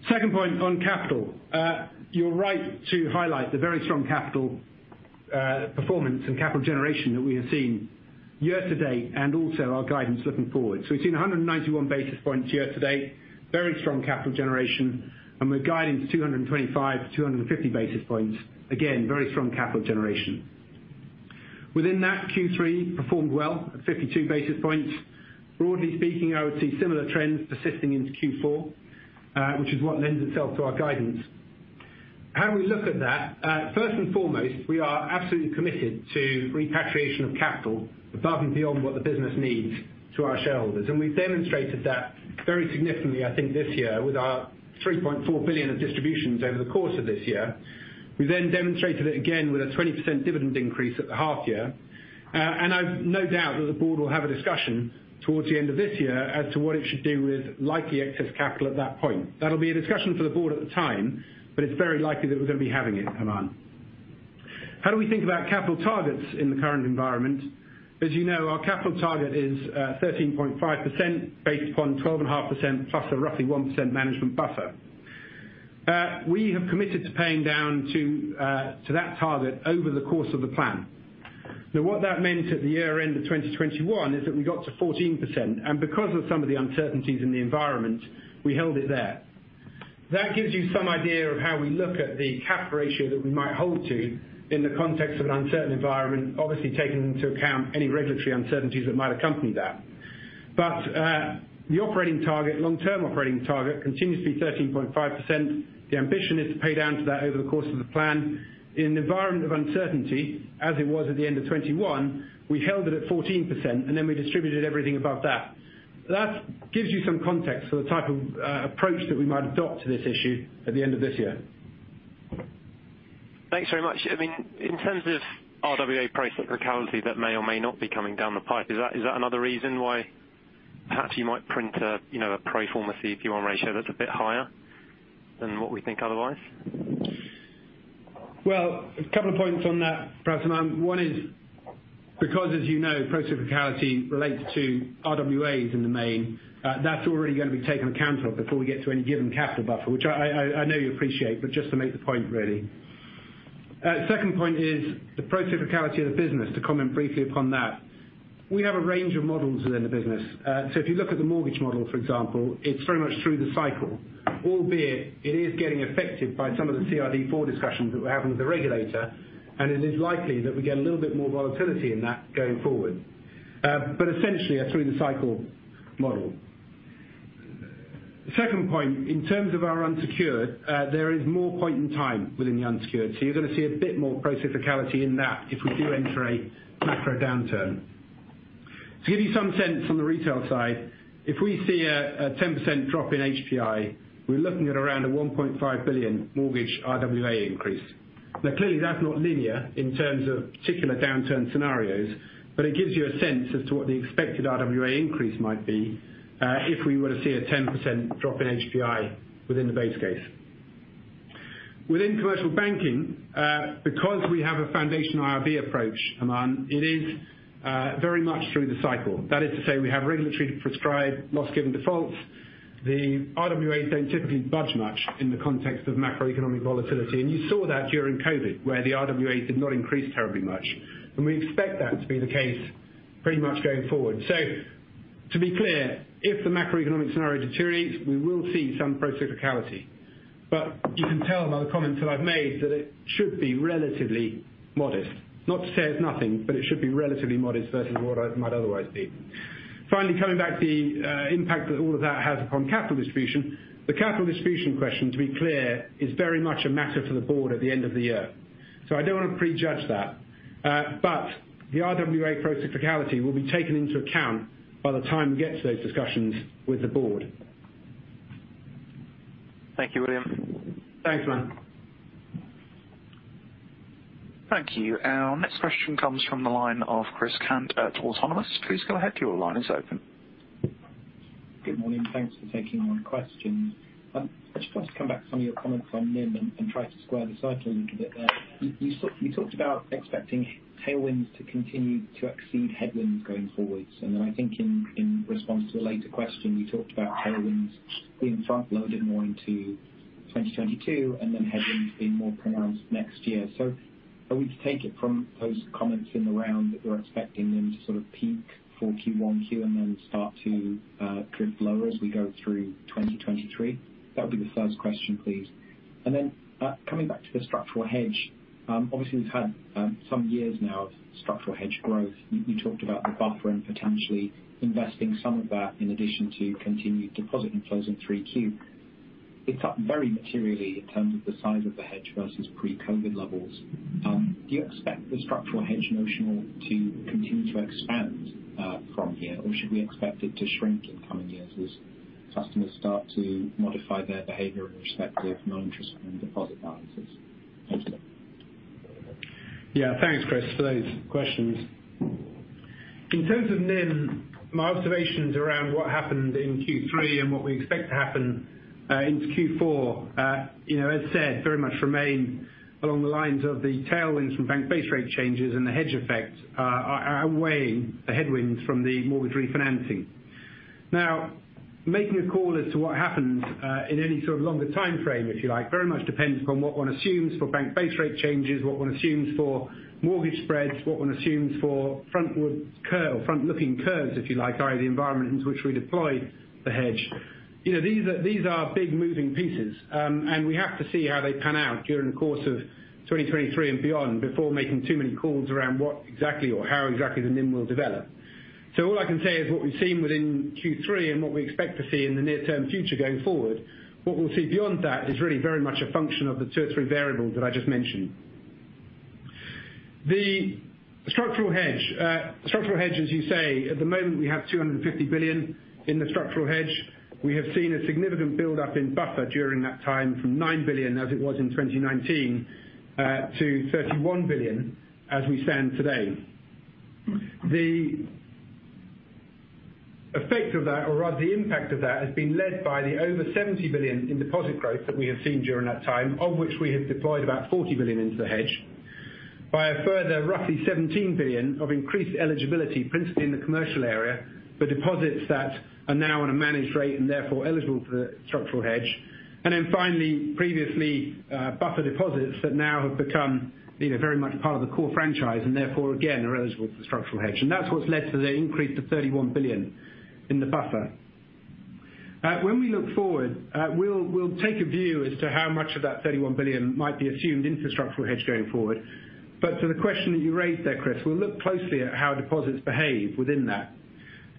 Second point on capital. You're right to highlight the very strong capital performance and capital generation that we have seen year to date, and also our guidance looking forward. We've seen 191 basis points year to date, very strong capital generation, and we're guiding 225-250 basis points. Again, very strong capital generation. Within that, Q3 performed well at 52 basis points. Broadly speaking, I would see similar trends persisting into Q4, which is what lends itself to our guidance. How we look at that, first and foremost, we are absolutely committed to repatriation of capital above and beyond what the business needs to our shareholders. We've demonstrated that very significantly, I think, this year with our 3.4 billion of distributions over the course of this year. We demonstrated it again with a 20% dividend increase at the half year. I've no doubt that the board will have a discussion towards the end of this year as to what it should do with likely excess capital at that point. That'll be a discussion for the board at the time, but it's very likely that we're gonna be having it, Aman. How do we think about capital targets in the current environment? As you know, our capital target is 13.5% based upon 12.5%, plus a roughly 1% management buffer. We have committed to paying down to that target over the course of the plan. Now, what that meant at the year-end of 2021 is that we got to 14%, and because of some of the uncertainties in the environment, we held it there. That gives you some idea of how we look at the capital ratio that we might hold to in the context of an uncertain environment, obviously taking into account any regulatory uncertainties that might accompany that. The operating target, long-term operating target continues to be 13.5%. The ambition is to pay down to that over the course of the plan. In an environment of uncertainty, as it was at the end of 2021, we held it at 14%, and then we distributed everything above that. That gives you some context for the type of approach that we might adopt to this issue at the end of this year. Thanks very much. I mean, in terms of RWA procyclicality that may or may not be coming down the pipe, is that, is that another reason why perhaps you might print a, you know, a pro forma CET1 ratio that's a bit higher than what we think otherwise? Well, a couple of points on that, perhaps, Aman. One is because as you know, procyclicality relates to RWAs in the main, that's already gonna be taken account of before we get to any given capital buffer, which I know you appreciate, but just to make the point really. Second point is the procyclicality of the business, to comment briefly upon that. We have a range of models within the business. If you look at the mortgage model, for example, it's very much through the cycle, albeit it is getting affected by some of the CRD IV discussions that we're having with the regulator, and it is likely that we get a little bit more volatility in that going forward. Essentially a through the cycle model. Second point, in terms of our unsecured, there is more point in time within the unsecured. You're gonna see a bit more procyclicality in that if we do enter a macro downturn. To give you some sense on the retail side, if we see a 10% drop in HPI, we're looking at around a 1.5 billion mortgage RWA increase. Now, clearly that's not linear in terms of particular downturn scenarios, but it gives you a sense as to what the expected RWA increase might be, if we were to see a 10% drop in HPI within the base case. Within commercial banking, because we have a foundational IRB approach, Aman, it is very much through the cycle. That is to say we have regulatory prescribed loss given defaults. The RWAs don't typically budge much in the context of macroeconomic volatility. You saw that during COVID, where the RWAs did not increase terribly much. We expect that to be the case pretty much going forward. To be clear, if the macroeconomic scenario deteriorates, we will see some procyclicality. You can tell by the comments that I've made that it should be relatively modest. Not to say it's nothing, but it should be relatively modest versus what I might otherwise see. Finally, coming back to the impact that all of that has upon capital distribution. The capital distribution question, to be clear, is very much a matter for the board at the end of the year. I don't wanna prejudge that. The RWA procyclicality will be taken into account by the time we get to those discussions with the board. Thank you, William. Thanks, man. Thank you. Our next question comes from the line of Chris Cant at Autonomous. Please go ahead. Your line is open. Good morning. Thanks for taking my questions. I just want to come back to some of your comments on NIM and try to square the cycle a little bit there. You sort of talked about expecting headwinds to continue to exceed tailwinds going forwards. I think in response to a later question, you talked about headwinds being front-loaded more into 2022, and then headwinds being more pronounced next year. Are we to take it from those comments in the round that you're expecting them to sort of peak for Q1 and then start to drift lower as we go through 2023? That would be the first question, please. Coming back to the structural hedge, obviously we've had some years now of structural hedge growth. You talked about the buffer and potentially investing some of that in addition to continued deposit inflows in 3Q. It's up very materially in terms of the size of the hedge versus pre-COVID levels. Do you expect the structural hedge notional to continue to expand from here? Or should we expect it to shrink in coming years as customers start to modify their behavior in respect of non-interest and deposit balances? Thanks. Yeah. Thanks, Chris, for those questions. In terms of NIM, my observations around what happened in Q3 and what we expect to happen into Q4, you know, as said, very much remain along the lines of the tailwinds from bank base rate changes and the hedge effect are weighing the headwinds from the mortgage refinancing. Now, making a call as to what happens in any sort of longer timeframe, if you like, very much depends upon what one assumes for bank base rate changes, what one assumes for mortgage spreads, what one assumes for front-looking curves, if you like, are the environment into which we deploy the hedge. You know, these are big moving pieces. We have to see how they pan out during the course of 2023 and beyond before making too many calls around what exactly or how exactly the NIM will develop. All I can say is what we've seen within Q3 and what we expect to see in the near term future going forward. What we'll see beyond that is really very much a function of the two or three variables that I just mentioned. The structural hedge. Structural hedge, as you say, at the moment we have 250 billion in the structural hedge. We have seen a significant build up in buffer during that time from 9 billion as it was in 2019 to 31 billion as we stand today. The effect of that or rather the impact of that has been led by the over 70 billion in deposit growth that we have seen during that time, of which we have deployed about 40 billion into the hedge, by a further roughly 17 billion of increased eligibility, principally in the commercial area, for deposits that are now on a managed rate and therefore eligible for the structural hedge. Then finally, previously, buffer deposits that now have become, you know, very much part of the core franchise and therefore again are eligible for structural hedge. That's what's led to the increase to 31 billion in the buffer. When we look forward, we'll take a view as to how much of that 31 billion might be assumed into structural hedge going forward. To the question that you raised there, Chris, we'll look closely at how deposits behave within that.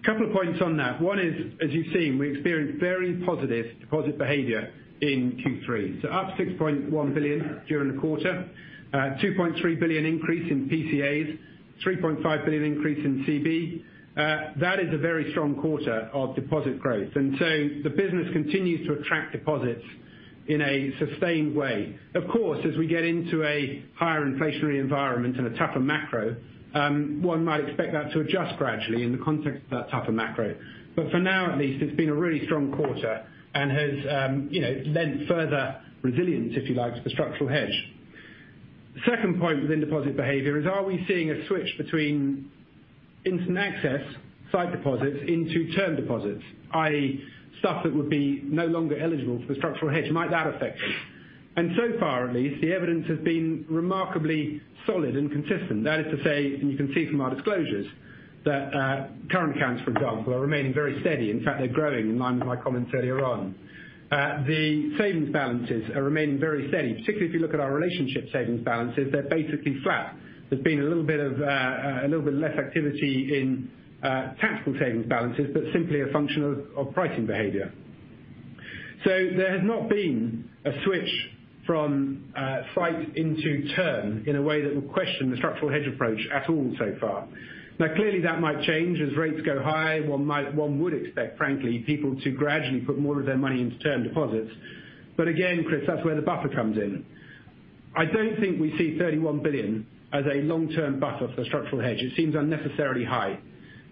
A couple of points on that. One is, as you've seen, we experienced very positive deposit behavior in Q3. Up 6.1 billion during the quarter. 2.3 billion increase in PCAs. 3.5 billion increase in CB. That is a very strong quarter of deposit growth. The business continues to attract deposits in a sustained way. Of course, as we get into a higher inflationary environment and a tougher macro, one might expect that to adjust gradually in the context of that tougher macro. For now at least, it's been a really strong quarter and has, you know, lent further resilience, if you like, to the structural hedge. The second point within deposit behavior is are we seeing a switch between instant access sight deposits into term deposits, i.e. stuff that would be no longer eligible for the structural hedge? Might that affect it? So far at least, the evidence has been remarkably solid and consistent. That is to say, and you can see from our disclosures that, current accounts, for example, are remaining very steady. In fact, they're growing, mind my comments earlier on. The savings balances are remaining very steady, particularly if you look at our relationship savings balances, they're basically flat. There's been a little bit less activity in, taxable savings balances, but simply a function of pricing behavior. There has not been a switch from sight into term in a way that will question the structural hedge approach at all so far. Now, clearly that might change as rates go high. One would expect, frankly, people to gradually put more of their money into term deposits. Again, Chris, that's where the buffer comes in. I don't think we see 31 billion as a long-term buffer for structural hedge. It seems unnecessarily high.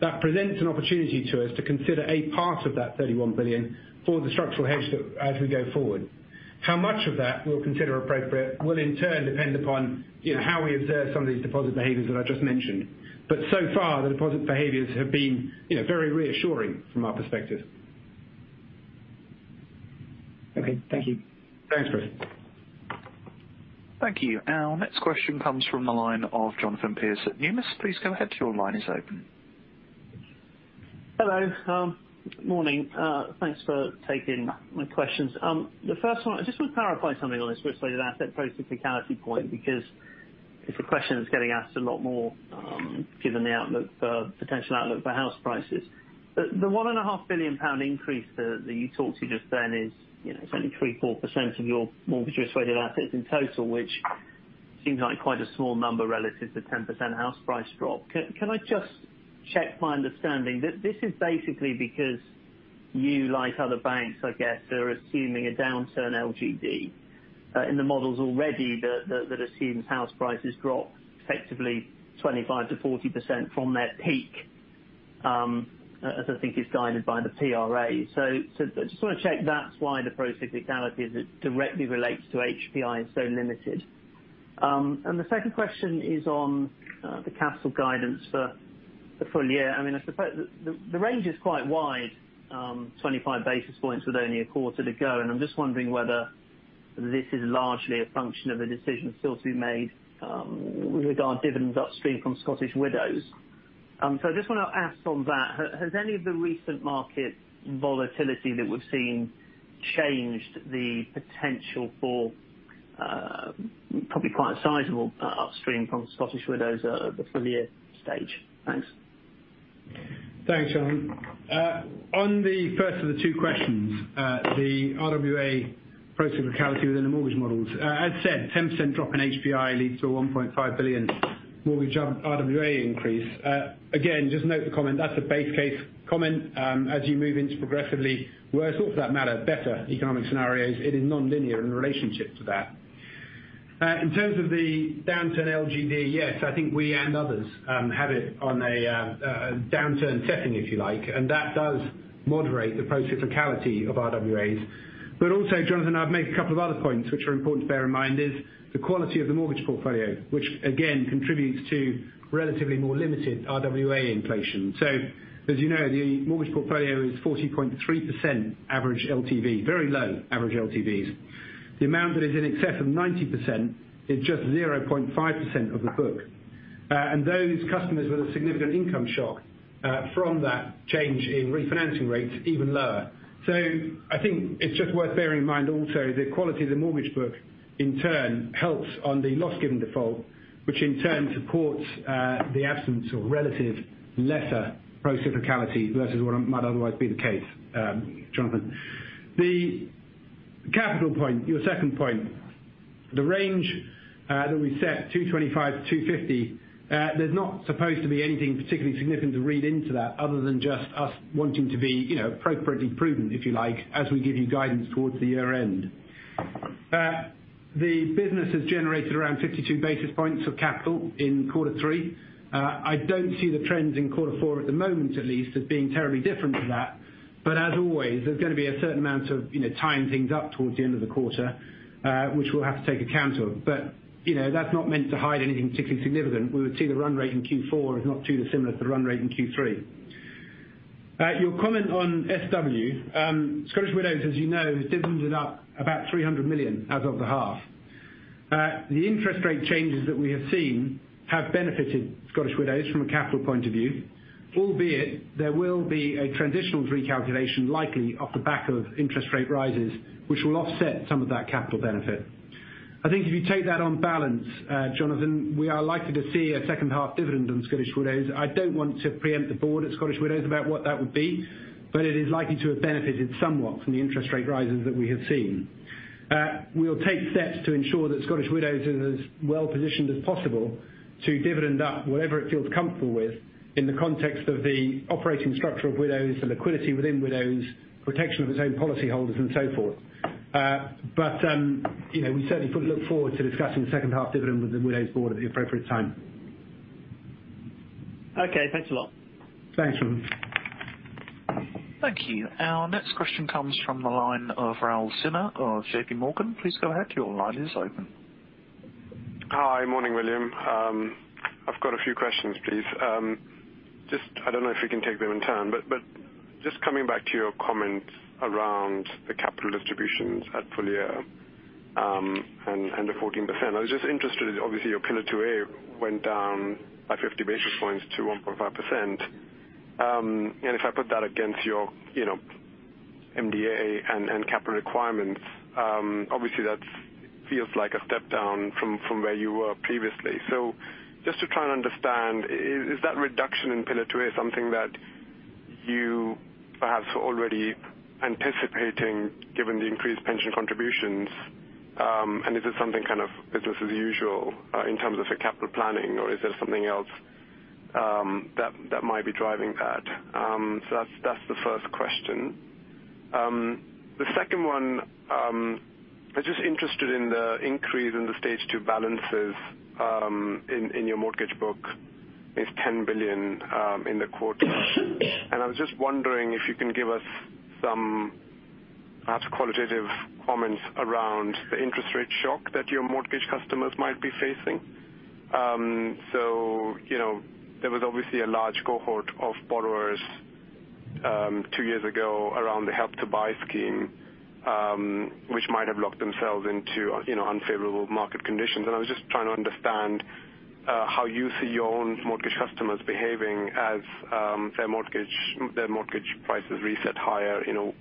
That presents an opportunity to us to consider a part of that 31 billion for the structural hedge as we go forward. How much of that we'll consider appropriate will in turn depend upon, you know, how we observe some of these deposit behaviors that I just mentioned. So far, the deposit behaviors have been, you know, very reassuring from our perspective. Okay. Thank you. Thanks, Chris. Thank you. Our next question comes from the line of Jonathan Pierce at Numis. Please go ahead. Your line is open. Hello. Good morning. Thanks for taking my questions. The first one, I just want to clarify something on this risk-weighted asset procyclicality point, because it's a question that's getting asked a lot more, given the potential outlook for house prices. The 1.5 billion pound increase that you talked to just then is, you know, it's only 3%-4% of your mortgage risk-weighted assets in total, which seems like quite a small number relative to 10% house price drop. Can I just check my understanding. This is basically because you, like other banks, I guess, are assuming a downturn LGD in the models already that assumes house prices drop effectively 25%-40% from their peak, as I think is guided by the PRA. Just wanna check that's why the procyclicality that directly relates to HPI is so limited. The second question is on the capital guidance for the full year. I mean, I suppose the range is quite wide, 25 basis points with only a quarter to go, and I'm just wondering whether this is largely a function of the decision still to be made with regard to dividends upstream from Scottish Widows. I just wanna ask on that. Has any of the recent market volatility that we've seen changed the potential for probably quite a sizable upstream from Scottish Widows at the full year stage? Thanks. Thanks, Jonathan. On the first of the two questions, the RWA procyclicality within the mortgage models. As said, 10% drop in HPI leads to a 1.5 billion mortgage RWA increase. Again, just note the comment. That's a base case comment. As you move into progressively worse, or for that matter, better economic scenarios, it is nonlinear in relationship to that. In terms of the downturn LGD, yes, I think we and others have it on a downturn setting, if you like, and that does moderate the procyclicality of RWAs. But also, Jonathan, I'd make a couple of other points which are important to bear in mind, is the quality of the mortgage portfolio, which again contributes to relatively more limited RWA inflation. As you know, the mortgage portfolio is 40.3% average LTV, very low average LTVs. The amount that is in excess of 90% is just 0.5% of the book. Those customers with a significant income shock from that change in refinancing rates even lower. I think it's just worth bearing in mind also the quality of the mortgage book in turn helps on the loss given default, which in turn supports the absence of relative lesser procyclicality versus what might otherwise be the case, Jonathan. The capital point, your second point. The range that we set, 225-250, there's not supposed to be anything particularly significant to read into that other than just us wanting to be, you know, appropriately prudent, if you like, as we give you guidance towards the year end. The business has generated around 52 basis points of capital in quarter three. I don't see the trends in quarter four at the moment at least as being terribly different to that. As always, there's gonna be a certain amount of, you know, tying things up towards the end of the quarter, which we'll have to take account of. You know, that's not meant to hide anything particularly significant. We would see the run rate in Q four as not too dissimilar to the run rate in Q three. Your comment on SW. Scottish Widows, as you know, dividended up about 300 million as of the half. The interest rate changes that we have seen have benefited Scottish Widows from a capital point of view, albeit there will be a transitional recalculation likely off the back of interest rate rises, which will offset some of that capital benefit. I think if you take that on balance, Jonathan, we are likely to see a second half dividend on Scottish Widows. I don't want to preempt the board at Scottish Widows about what that would be, but it is likely to have benefited somewhat from the interest rate rises that we have seen. We'll take steps to ensure that Scottish Widows is as well positioned as possible to dividend up whatever it feels comfortable with in the context of the operating structure of Widows, the liquidity within Widows, protection of its own policy holders and so forth. You know, we certainly look forward to discussing the second half dividend with the Widows board at the appropriate time. Okay, thanks a lot. Thanks, Jonathan. Thank you. Our next question comes from the line of Raul Sinha of JPMorgan. Please go ahead. Your line is open. Hi. Morning, William. I've got a few questions, please. Just I don't know if we can take them in turn, but just coming back to your comments around the capital distributions at full year, and the 14%. I was just interested, obviously your Pillar 2A went down by 50 basis points to 1.5%. And if I put that against your, you know, MDA and capital requirements, obviously that feels like a step down from where you were previously. Just to try and understand, is that reduction in Pillar 2A something that you perhaps were already anticipating given the increased pension contributions? And is it something kind of business as usual in terms of the capital planning, or is there something else that might be driving that? That's the first question. The second one, I'm just interested in the increase in the stage two balances in your mortgage book is 10 billion in the quarter. I was just wondering if you can give us some perhaps qualitative comments around the interest rate shock that your mortgage customers might be facing. You know, there was obviously a large cohort of borrowers two years ago around the Help to Buy scheme, which might have locked themselves into, you know, unfavorable market conditions. I was just trying to understand how you see your own mortgage customers behaving as their mortgage prices reset higher. You know,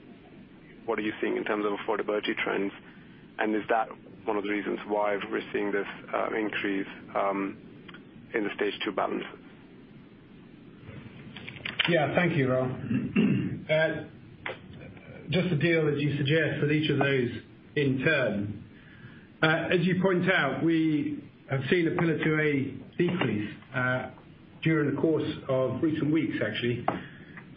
what are you seeing in terms of affordability trends? Is that one of the reasons why we're seeing this increase in the stage two balances? Yeah. Thank you, Raul. Just to deal, as you suggest, with each of those in turn. As you point out, we have seen a Pillar 2A decrease during the course of recent weeks, actually.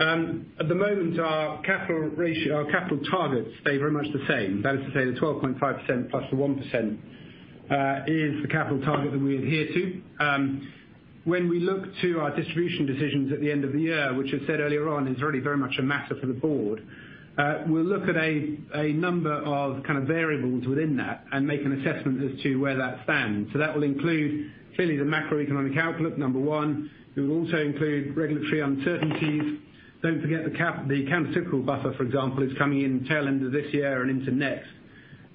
At the moment, our capital ratio, our capital targets stay very much the same. That is to say the 12.5% + 1% is the capital target that we adhere to. When we look to our distribution decisions at the end of the year, which I said earlier on, is really very much a matter for the board, we'll look at a number of kind of variables within that and make an assessment as to where that stands. That will include clearly the macroeconomic outlook, number one. It will also include regulatory uncertainties. Don't forget the countercyclical buffer, for example, is coming in tail end of this year and into next.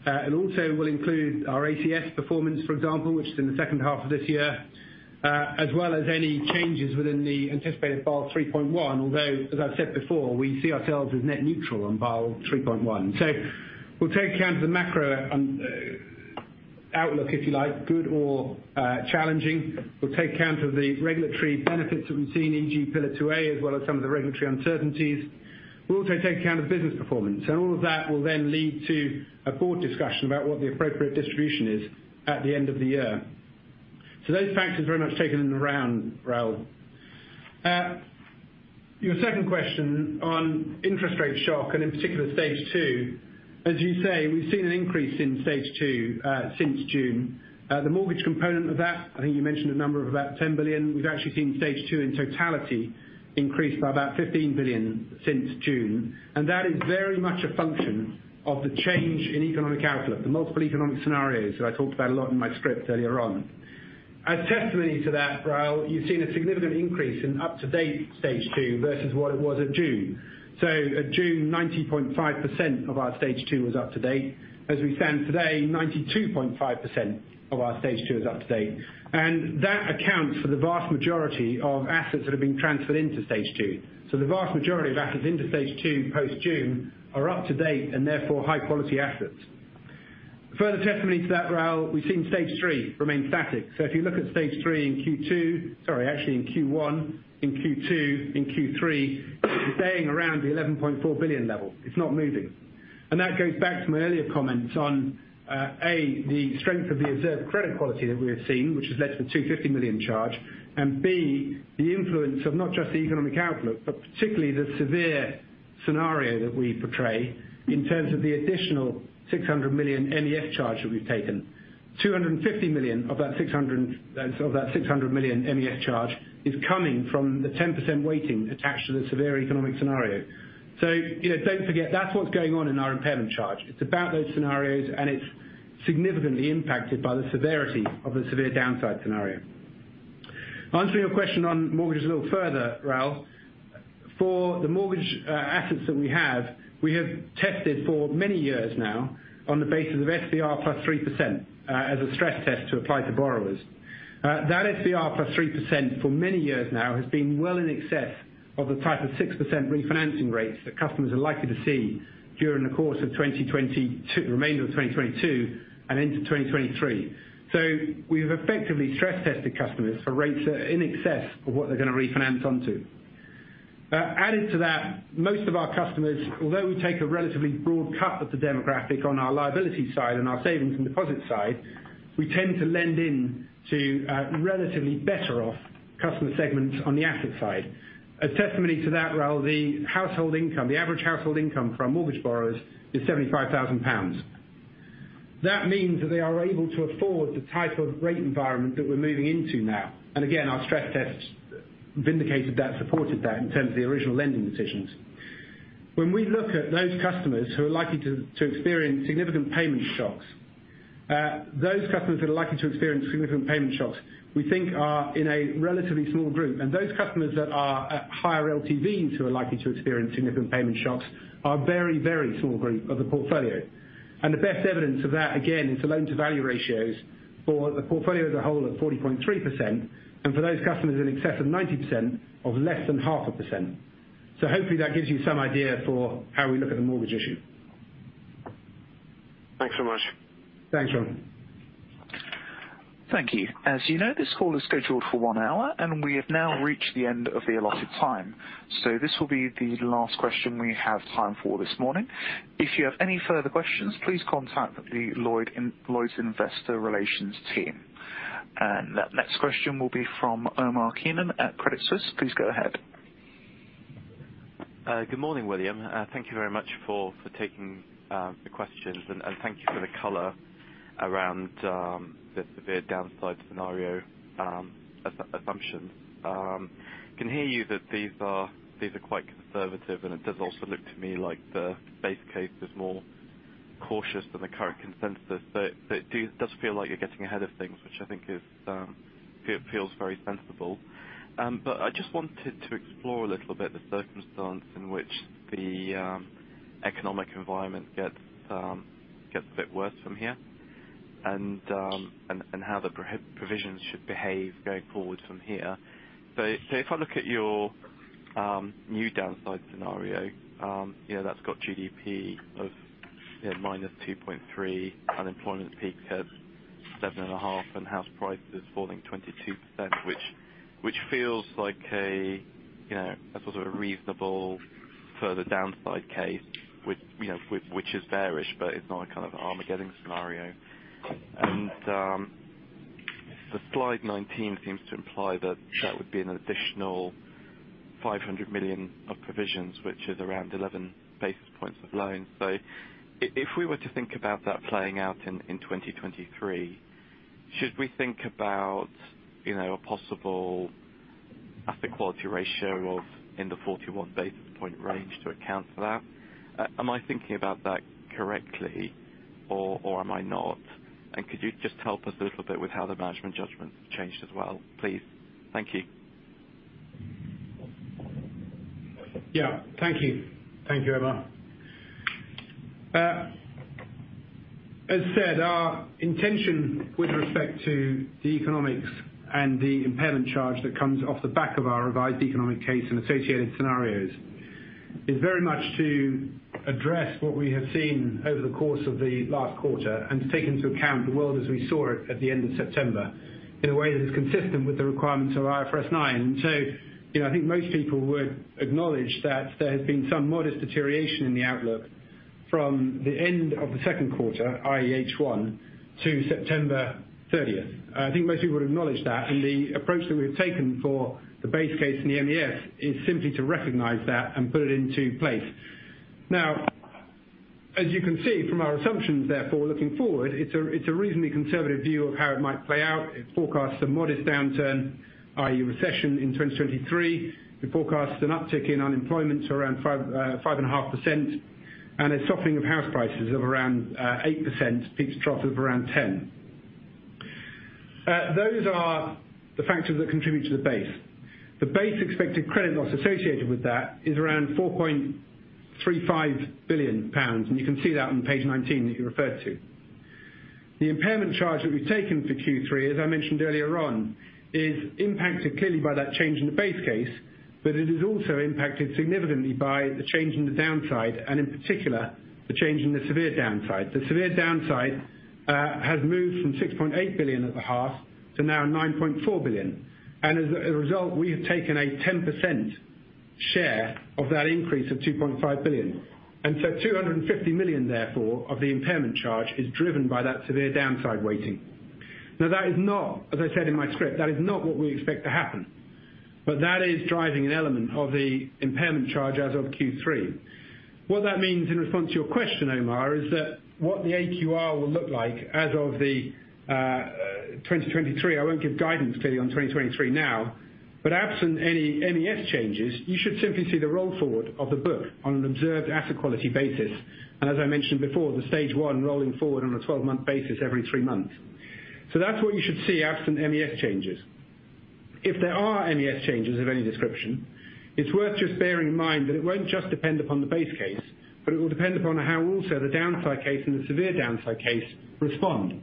It also will include our ACS performance, for example, which is in the second half of this year, as well as any changes within the anticipated Basel 3.1. Although as I've said before, we see ourselves as net neutral on Basel 3.1. We'll take account of the macro outlook, if you like, good or challenging. We'll take account of the regulatory benefits that we've seen, e.g., Pillar 2A, as well as some of the regulatory uncertainties. We'll also take account of business performance, and all of that will then lead to a board discussion about what the appropriate distribution is at the end of the year. Those factors are very much taken in the round, Raul. Your second question on interest rate shock and in particular stage two. As you say, we've seen an increase in stage two since June. The mortgage component of that, I think you mentioned a number of about 10 billion. We've actually seen stage two in totality increase by about 15 billion since June. That is very much a function of the change in economic outlook, the multiple economic scenarios that I talked about a lot in my script earlier on. As testimony to that, Raul, you've seen a significant increase in up-to-date stage two versus what it was at June. At June, 90.5% of our stage two was up to date. As we stand today, 92.5% of our stage two is up to date. That accounts for the vast majority of assets that have been transferred into stage two. The vast majority of assets into stage two post June are up to date and therefore high-quality assets. Further testimony to that, Raul, we've seen stage three remain static. If you look at stage three in Q2, sorry, actually in Q1, in Q2, in Q3, it's staying around the 11.4 billion level. It's not moving. That goes back to my earlier comments on A, the strength of the observed credit quality that we have seen, which has led to the 250 million charge. B, the influence of not just the economic outlook, but particularly the severe scenario that we portray in terms of the additional 600 million MES charge that we've taken. 250 million of that 600 million. Of that 600 million MES charge is coming from the 10% weighting attached to the severe economic scenario. You know, don't forget, that's what's going on in our impairment charge. It's about those scenarios, and it's significantly impacted by the severity of the severe downside scenario. Answering your question on mortgages a little further, Raul. For the mortgage assets that we have, we have tested for many years now on the basis of SVR plus 3%, as a stress test to apply to borrowers. That SVR plus 3% for many years now has been well in excess of the type of 6% refinancing rates that customers are likely to see during the course of 2022, the remainder of 2022 and into 2023. We've effectively stress tested customers for rates that are in excess of what they're gonna refinance onto. Added to that, most of our customers, although we take a relatively broad cut of the demographic on our liability side and our savings and deposit side, we tend to lend in to relatively better off customer segments on the asset side. A testimony to that, Raul, the household income, the average household income from mortgage borrowers is 75,000 pounds. That means that they are able to afford the type of rate environment that we're moving into now. Again, our stress tests vindicated that, supported that in terms of the original lending decisions. When we look at those customers who are likely to experience significant payment shocks, we think are in a relatively small group. Those customers that are at higher LTVs who are likely to experience significant payment shocks are a very, very small group of the portfolio. The best evidence of that, again, is the loan-to-value ratios for the portfolio as a whole at 40.3%, and for those customers in excess of 90% of less than 0.5%. Hopefully, that gives you some idea for how we look at the mortgage issue. Thanks so much. Thanks, Raul. Thank you. As you know, this call is scheduled for one hour, and we have now reached the end of the allotted time. This will be the last question we have time for this morning. If you have any further questions, please contact the Lloyds Investor Relations team. The next question will be from Omar Keenan at Credit Suisse. Please go ahead. Good morning, William. Thank you very much for taking the questions and thank you for the color around the severe downside scenario assumption. You can hear that these are quite conservative, and it does also look to me like the base case is more cautious than the current consensus. It does feel like you're getting ahead of things, which I think feels very sensible. I just wanted to explore a little bit the circumstance in which the economic environment gets a bit worse from here and how the provisions should behave going forward from here. If I look at your new downside scenario, you know, that's got GDP of, yeah, -2.3%. Unemployment peaked at 7.5, and house prices falling 22%. Which feels like a you know a sort of reasonable further downside case with you know which is bearish, but it's not a kind of Armageddon scenario. The slide 19 seems to imply that that would be an additional 500 million of provisions, which is around 11 basis points of loans. If we were to think about that playing out in 2023, should we think about you know a possible asset quality ratio of in the 41 basis point range to account for that? Am I thinking about that correctly or am I not? Could you just help us a little bit with how the management judgments changed as well, please? Thank you. Yeah. Thank you. Thank you, Omar. As said, our intention with respect to the economics and the impairment charge that comes off the back of our revised economic case and associated scenarios is very much to address what we have seen over the course of the last quarter and take into account the world as we saw it at the end of September, in a way that is consistent with the requirements of IFRS 9. You know, I think most people would acknowledge that there has been some modest deterioration in the outlook from the end of the second quarter, i.e., H1, to September 30. I think most people would acknowledge that. The approach that we've taken for the base case in the MES is simply to recognize that and put it into place. Now, as you can see from our assumptions, therefore, looking forward, it's a reasonably conservative view of how it might play out. It forecasts a modest downturn, i.e. recession in 2023. It forecasts an uptick in unemployment to around 5% to 5.5%, and a softening of house prices of around 8%, peak-to-trough of around 10%. Those are the factors that contribute to the base. The base expected credit loss associated with that is around 4.35 billion pounds, and you can see that on page 19 that you referred to. The impairment charge that we've taken for Q3, as I mentioned earlier on, is impacted clearly by that change in the base case, but it is also impacted significantly by the change in the downside and in particular, the change in the severe downside. The severe downside has moved from 6.8 billion at the half to now 9.4 billion. As a result, we have taken a 10% share of that increase of 2.5 billion. 250 million, therefore, of the impairment charge is driven by that severe downside weighting. Now, that is not, as I said in my script, what we expect to happen, but that is driving an element of the impairment charge as of Q3. What that means in response to your question, Omar Keenan, is that what the AQR will look like as of the 2023, I won't give guidance to you on 2023 now, but absent any MES changes, you should simply see the roll forward of the book on an observed asset quality basis. As I mentioned before, the stage one rolling forward on a 12-month basis every three months. That's what you should see absent MES changes. If there are MES changes of any description, it's worth just bearing in mind that it won't just depend upon the base case, but it will depend upon how also the downside case and the severe downside case respond.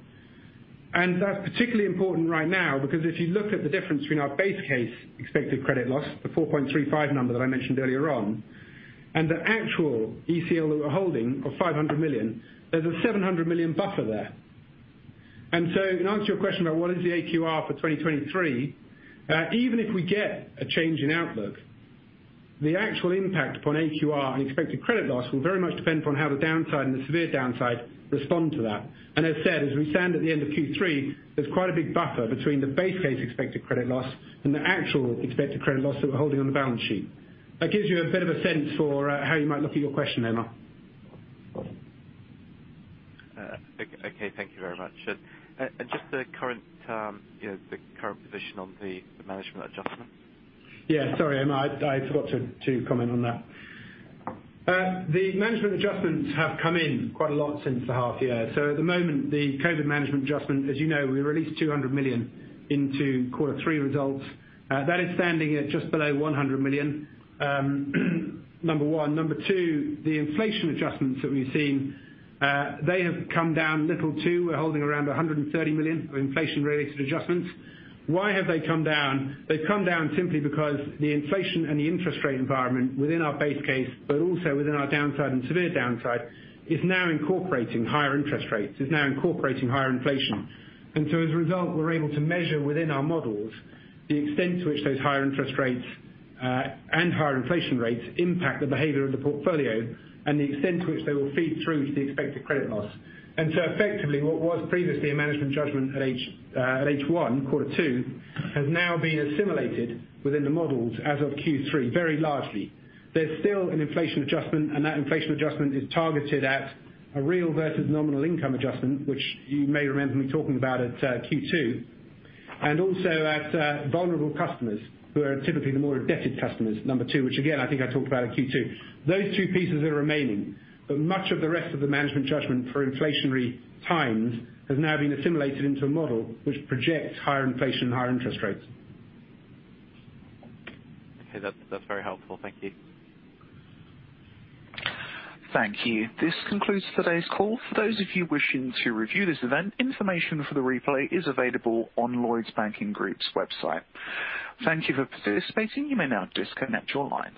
That's particularly important right now, because if you look at the difference between our base case expected credit loss, the 4.35 number that I mentioned earlier on, and the actual ECL that we're holding of 500 million, there's a 700 million buffer there. In answer to your question about what is the AQR for 2023, even if we get a change in outlook, the actual impact upon AQR and expected credit loss will very much depend upon how the downside and the severe downside respond to that. As said, as we stand at the end of Q3, there's quite a big buffer between the base case expected credit loss and the actual expected credit loss that we're holding on the balance sheet. That gives you a bit of a sense for how you might look at your question, Omar. Okay. Thank you very much. Just the current, you know, the current position on the management adjustment. Yeah, sorry, Omar, I forgot to comment on that. The management adjustments have come in quite a lot since the half year. At the moment, the COVID management adjustment, as you know, we released 200 million into quarter three results. That is standing at just below 100 million, number one. Number two, the inflation adjustments that we've seen, they have come down a little too. We're holding around 130 million of inflation-related adjustments. Why have they come down? They've come down simply because the inflation and the interest rate environment within our base case, but also within our downside and severe downside, is now incorporating higher interest rates. It's now incorporating higher inflation. As a result, we're able to measure within our models the extent to which those higher interest rates and higher inflation rates impact the behavior of the portfolio and the extent to which they will feed through to the expected credit loss. Effectively, what was previously a management judgment at H1, Q2, has now been assimilated within the models as of Q3, very largely. There's still an inflation adjustment, and that inflation adjustment is targeted at a real versus nominal income adjustment, which you may remember me talking about at Q2, and also at vulnerable customers who are typically the more indebted customers, number two, which again, I think I talked about at Q2. Those two pieces are remaining, but much of the rest of the management judgment for inflationary times has now been assimilated into a model which projects higher inflation and higher interest rates. Okay. That's very helpful. Thank you. Thank you. This concludes today's call. For those of you wishing to review this event, information for the replay is available on Lloyds Banking Group's website. Thank you for participating. You may now disconnect your lines.